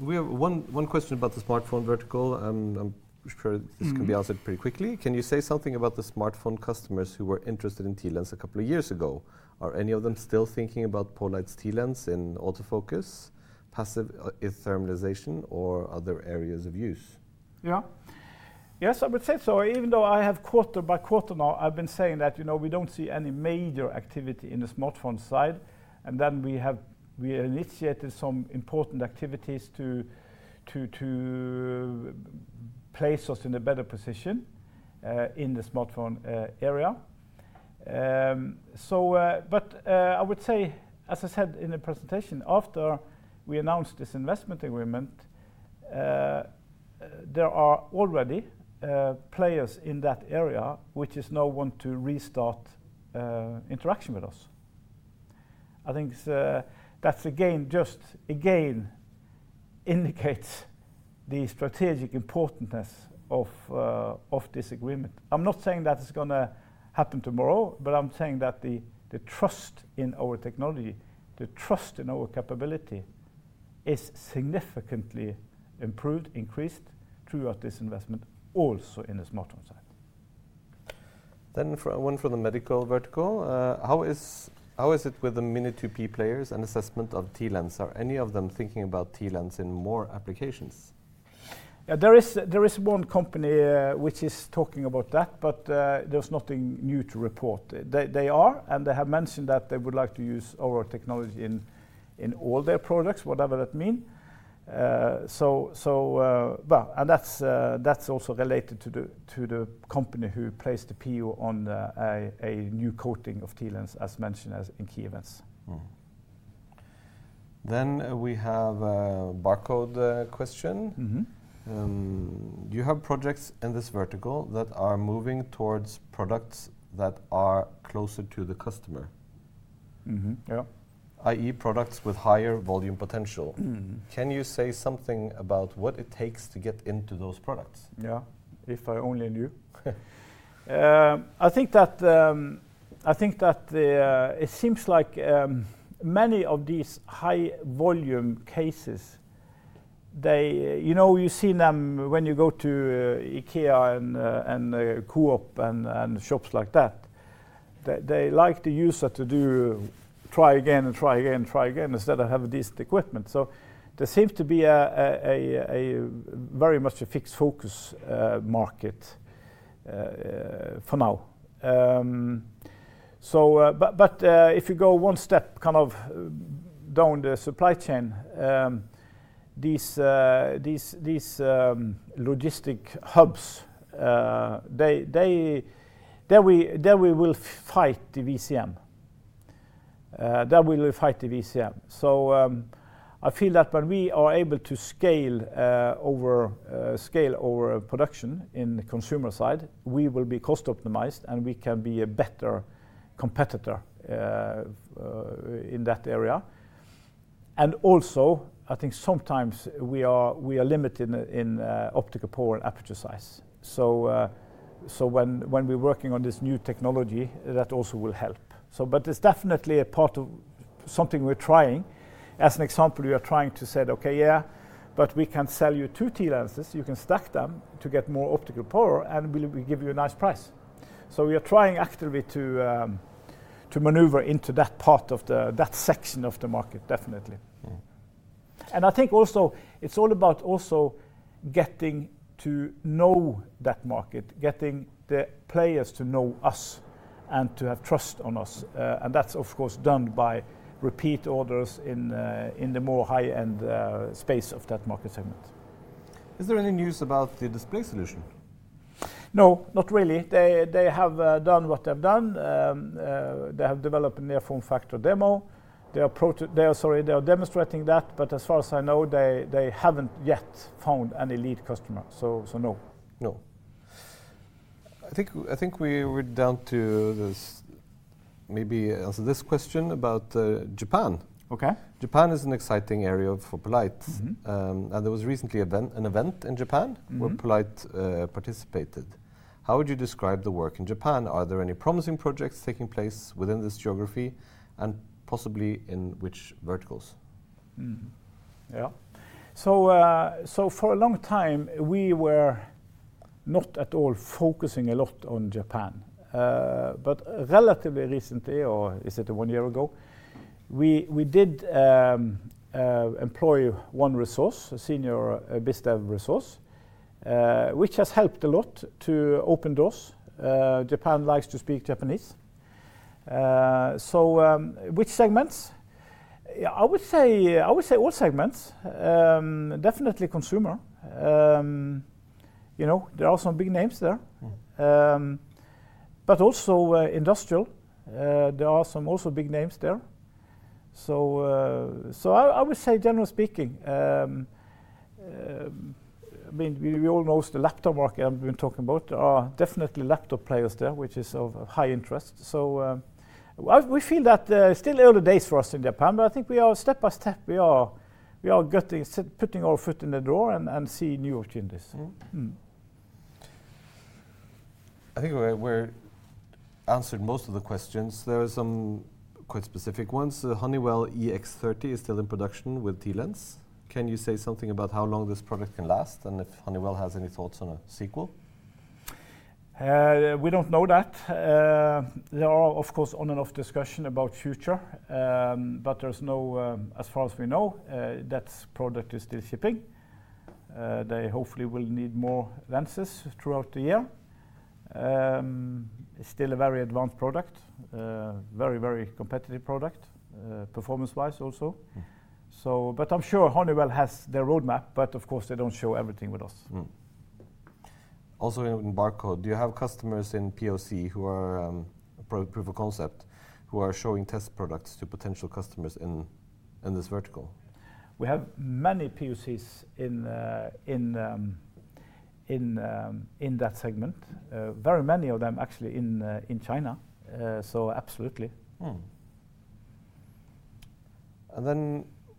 One question about the smartphone vertical. I'm sure this can be answered pretty quickly. Can you say something about the smartphone customers who were interested in TLens a couple of years ago? Are any of them still thinking about poLight's TLens in autofocus, passive either normalization, or other areas of use? Yeah. Yes, I would say so. Even though I have quarter by quarter now, I've been saying that we don't see any major activity in the smartphone side. We initiated some important activities to place us in a better position in the smartphone area. I would say, as I said in the presentation, after we announced this investment agreement, there are already players in that area, which is no one to restart interaction with us. I think that again just indicates the strategic importance of this agreement. I'm not saying that it's going to happen tomorrow, but I'm saying that the trust in our technology, the trust in our capability is significantly improved, increased throughout this investment, also in the smartphone side. One for the medical vertical. How is it with the Mini2P players and assessment of TLens? Are any of them thinking about TLens in more applications? There is one company which is talking about that, but there is nothing new to report. They are, and they have mentioned that they would like to use our technology in all their products, whatever that means. That is also related to the company who placed the PO on a new coating of TLens, as mentioned in key events. We have a barcode question. You have projects in this vertical that are moving towards products that are closer to the customer, i.e., products with higher volume potential. Can you say something about what it takes to get into those products? Yeah. If I only knew. I think that it seems like many of these high volume cases, you see them when you go to IKEA and Coop and shops like that. They like to use it to do try again and try again and try again instead of having decent equipment. There seems to be very much a fixed focus market for now. If you go one step kind of down the supply chain, these logistic hubs, there we will fight the VCM. There we will fight the VCM. I feel that when we are able to scale over production in the consumer side, we will be cost optimized and we can be a better competitor in that area. I think sometimes we are limited in optical power and aperture size. When we're working on this new technology, that also will help. It is definitely a part of something we're trying. As an example, we are trying to say, okay, yeah, but we can sell you two TLenses. You can stack them to get more optical power, and we'll give you a nice price. We are trying actively to maneuver into that part of that section of the market, definitely. I think also it's all about also getting to know that market, getting the players to know us and to have trust on us. That's, of course, done by repeat orders in the more high-end space of that market segment. Is there any news about the display solution? No, not really. They have done what they've done. They have developed a near-form factor demo. They are demonstrating that. As far as I know, they haven't yet found any lead customer. So no. I think we're down to maybe answer this question about Japan. Japan is an exciting area for poLight. There was recently an event in Japan where poLight participated. How would you describe the work in Japan? Are there any promising projects taking place within this geography and possibly in which verticals? Yeah. For a long time, we were not at all focusing a lot on Japan. Relatively recently, or is it one year ago, we did employ one resource, a senior BizDev resource, which has helped a lot to open doors. Japan likes to speak Japanese. Which segments? I would say all segments. Definitely consumer. There are some big names there. Also industrial. There are some also big names there. I would say, generally speaking, I mean, we all know the laptop market I've been talking about. There are definitely laptop players there, which is of high interest. We feel that still early days for us in Japan. I think we are step by step, we are putting our foot in the door and seeing new opportunities. I think we've answered most of the questions. There are some quite specific ones. Honeywell EX30 is still in production with TLens. Can you say something about how long this product can last and if Honeywell has any thoughts on a sequel? We don't know that. There are, of course, on and off discussions about the future. As far as we know, that product is still shipping. They hopefully will need more lenses throughout the year. It's still a very advanced product, a very, very competitive product, performance-wise also. I'm sure Honeywell has their roadmap, but of course, they don't show everything with us. Also, in barcode, do you have customers in PoC who are proof of concept, who are showing test products to potential customers in this vertical? We have many PoCs in that segment, very many of them actually in China. Absolutely.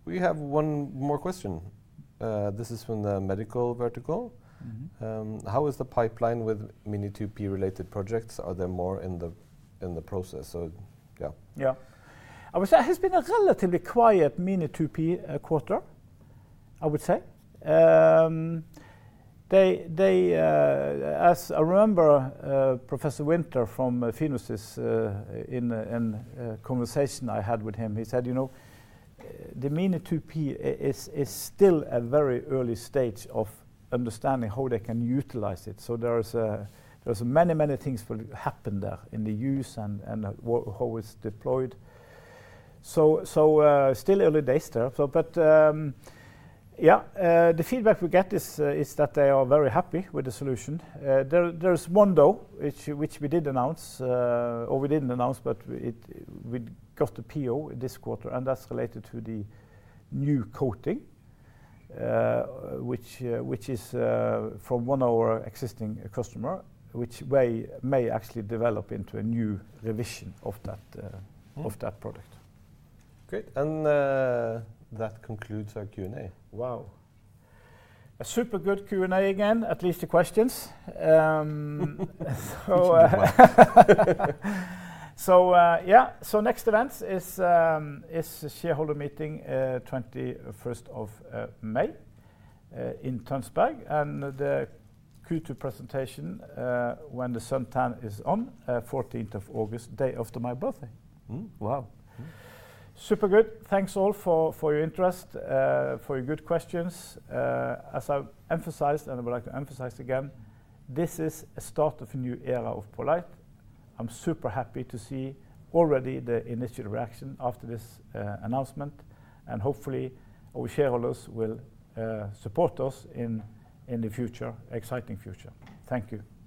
We have one more question. This is from the medical vertical. How is the pipeline with Mini2P-related projects? Are there more in the process? Yeah. I would say it has been a relatively quiet Mini2P quarter, I would say. As I remember Professor Winter from PhenoSys in a conversation I had with him, he said, you know, the Mini2P is still a very early stage of understanding how they can utilize it. There are many, many things that will happen there in the use and how it is deployed. Still early days there. Yeah, the feedback we get is that they are very happy with the solution. There is one though, which we did announce, or we did not announce, but we got the PO this quarter. That is related to the new coating, which is from one of our existing customers, which may actually develop into a new revision of that product. Great. That concludes our Q&A. Wow. A super good Q&A again, at least the questions. Next event is Shareholder Meeting 21st of May in Tønsberg. The Q2 presentation when the sun tan is on, 14th of August, day after my birthday. Wow. Super good. Thanks all for your interest, for your good questions. As I have emphasized, and I would like to emphasize again, this is a start of a new era of poLight. I am super happy to see already the initial reaction after this announcement. Hopefully, our shareholders will support us in the future, exciting future. Thank you.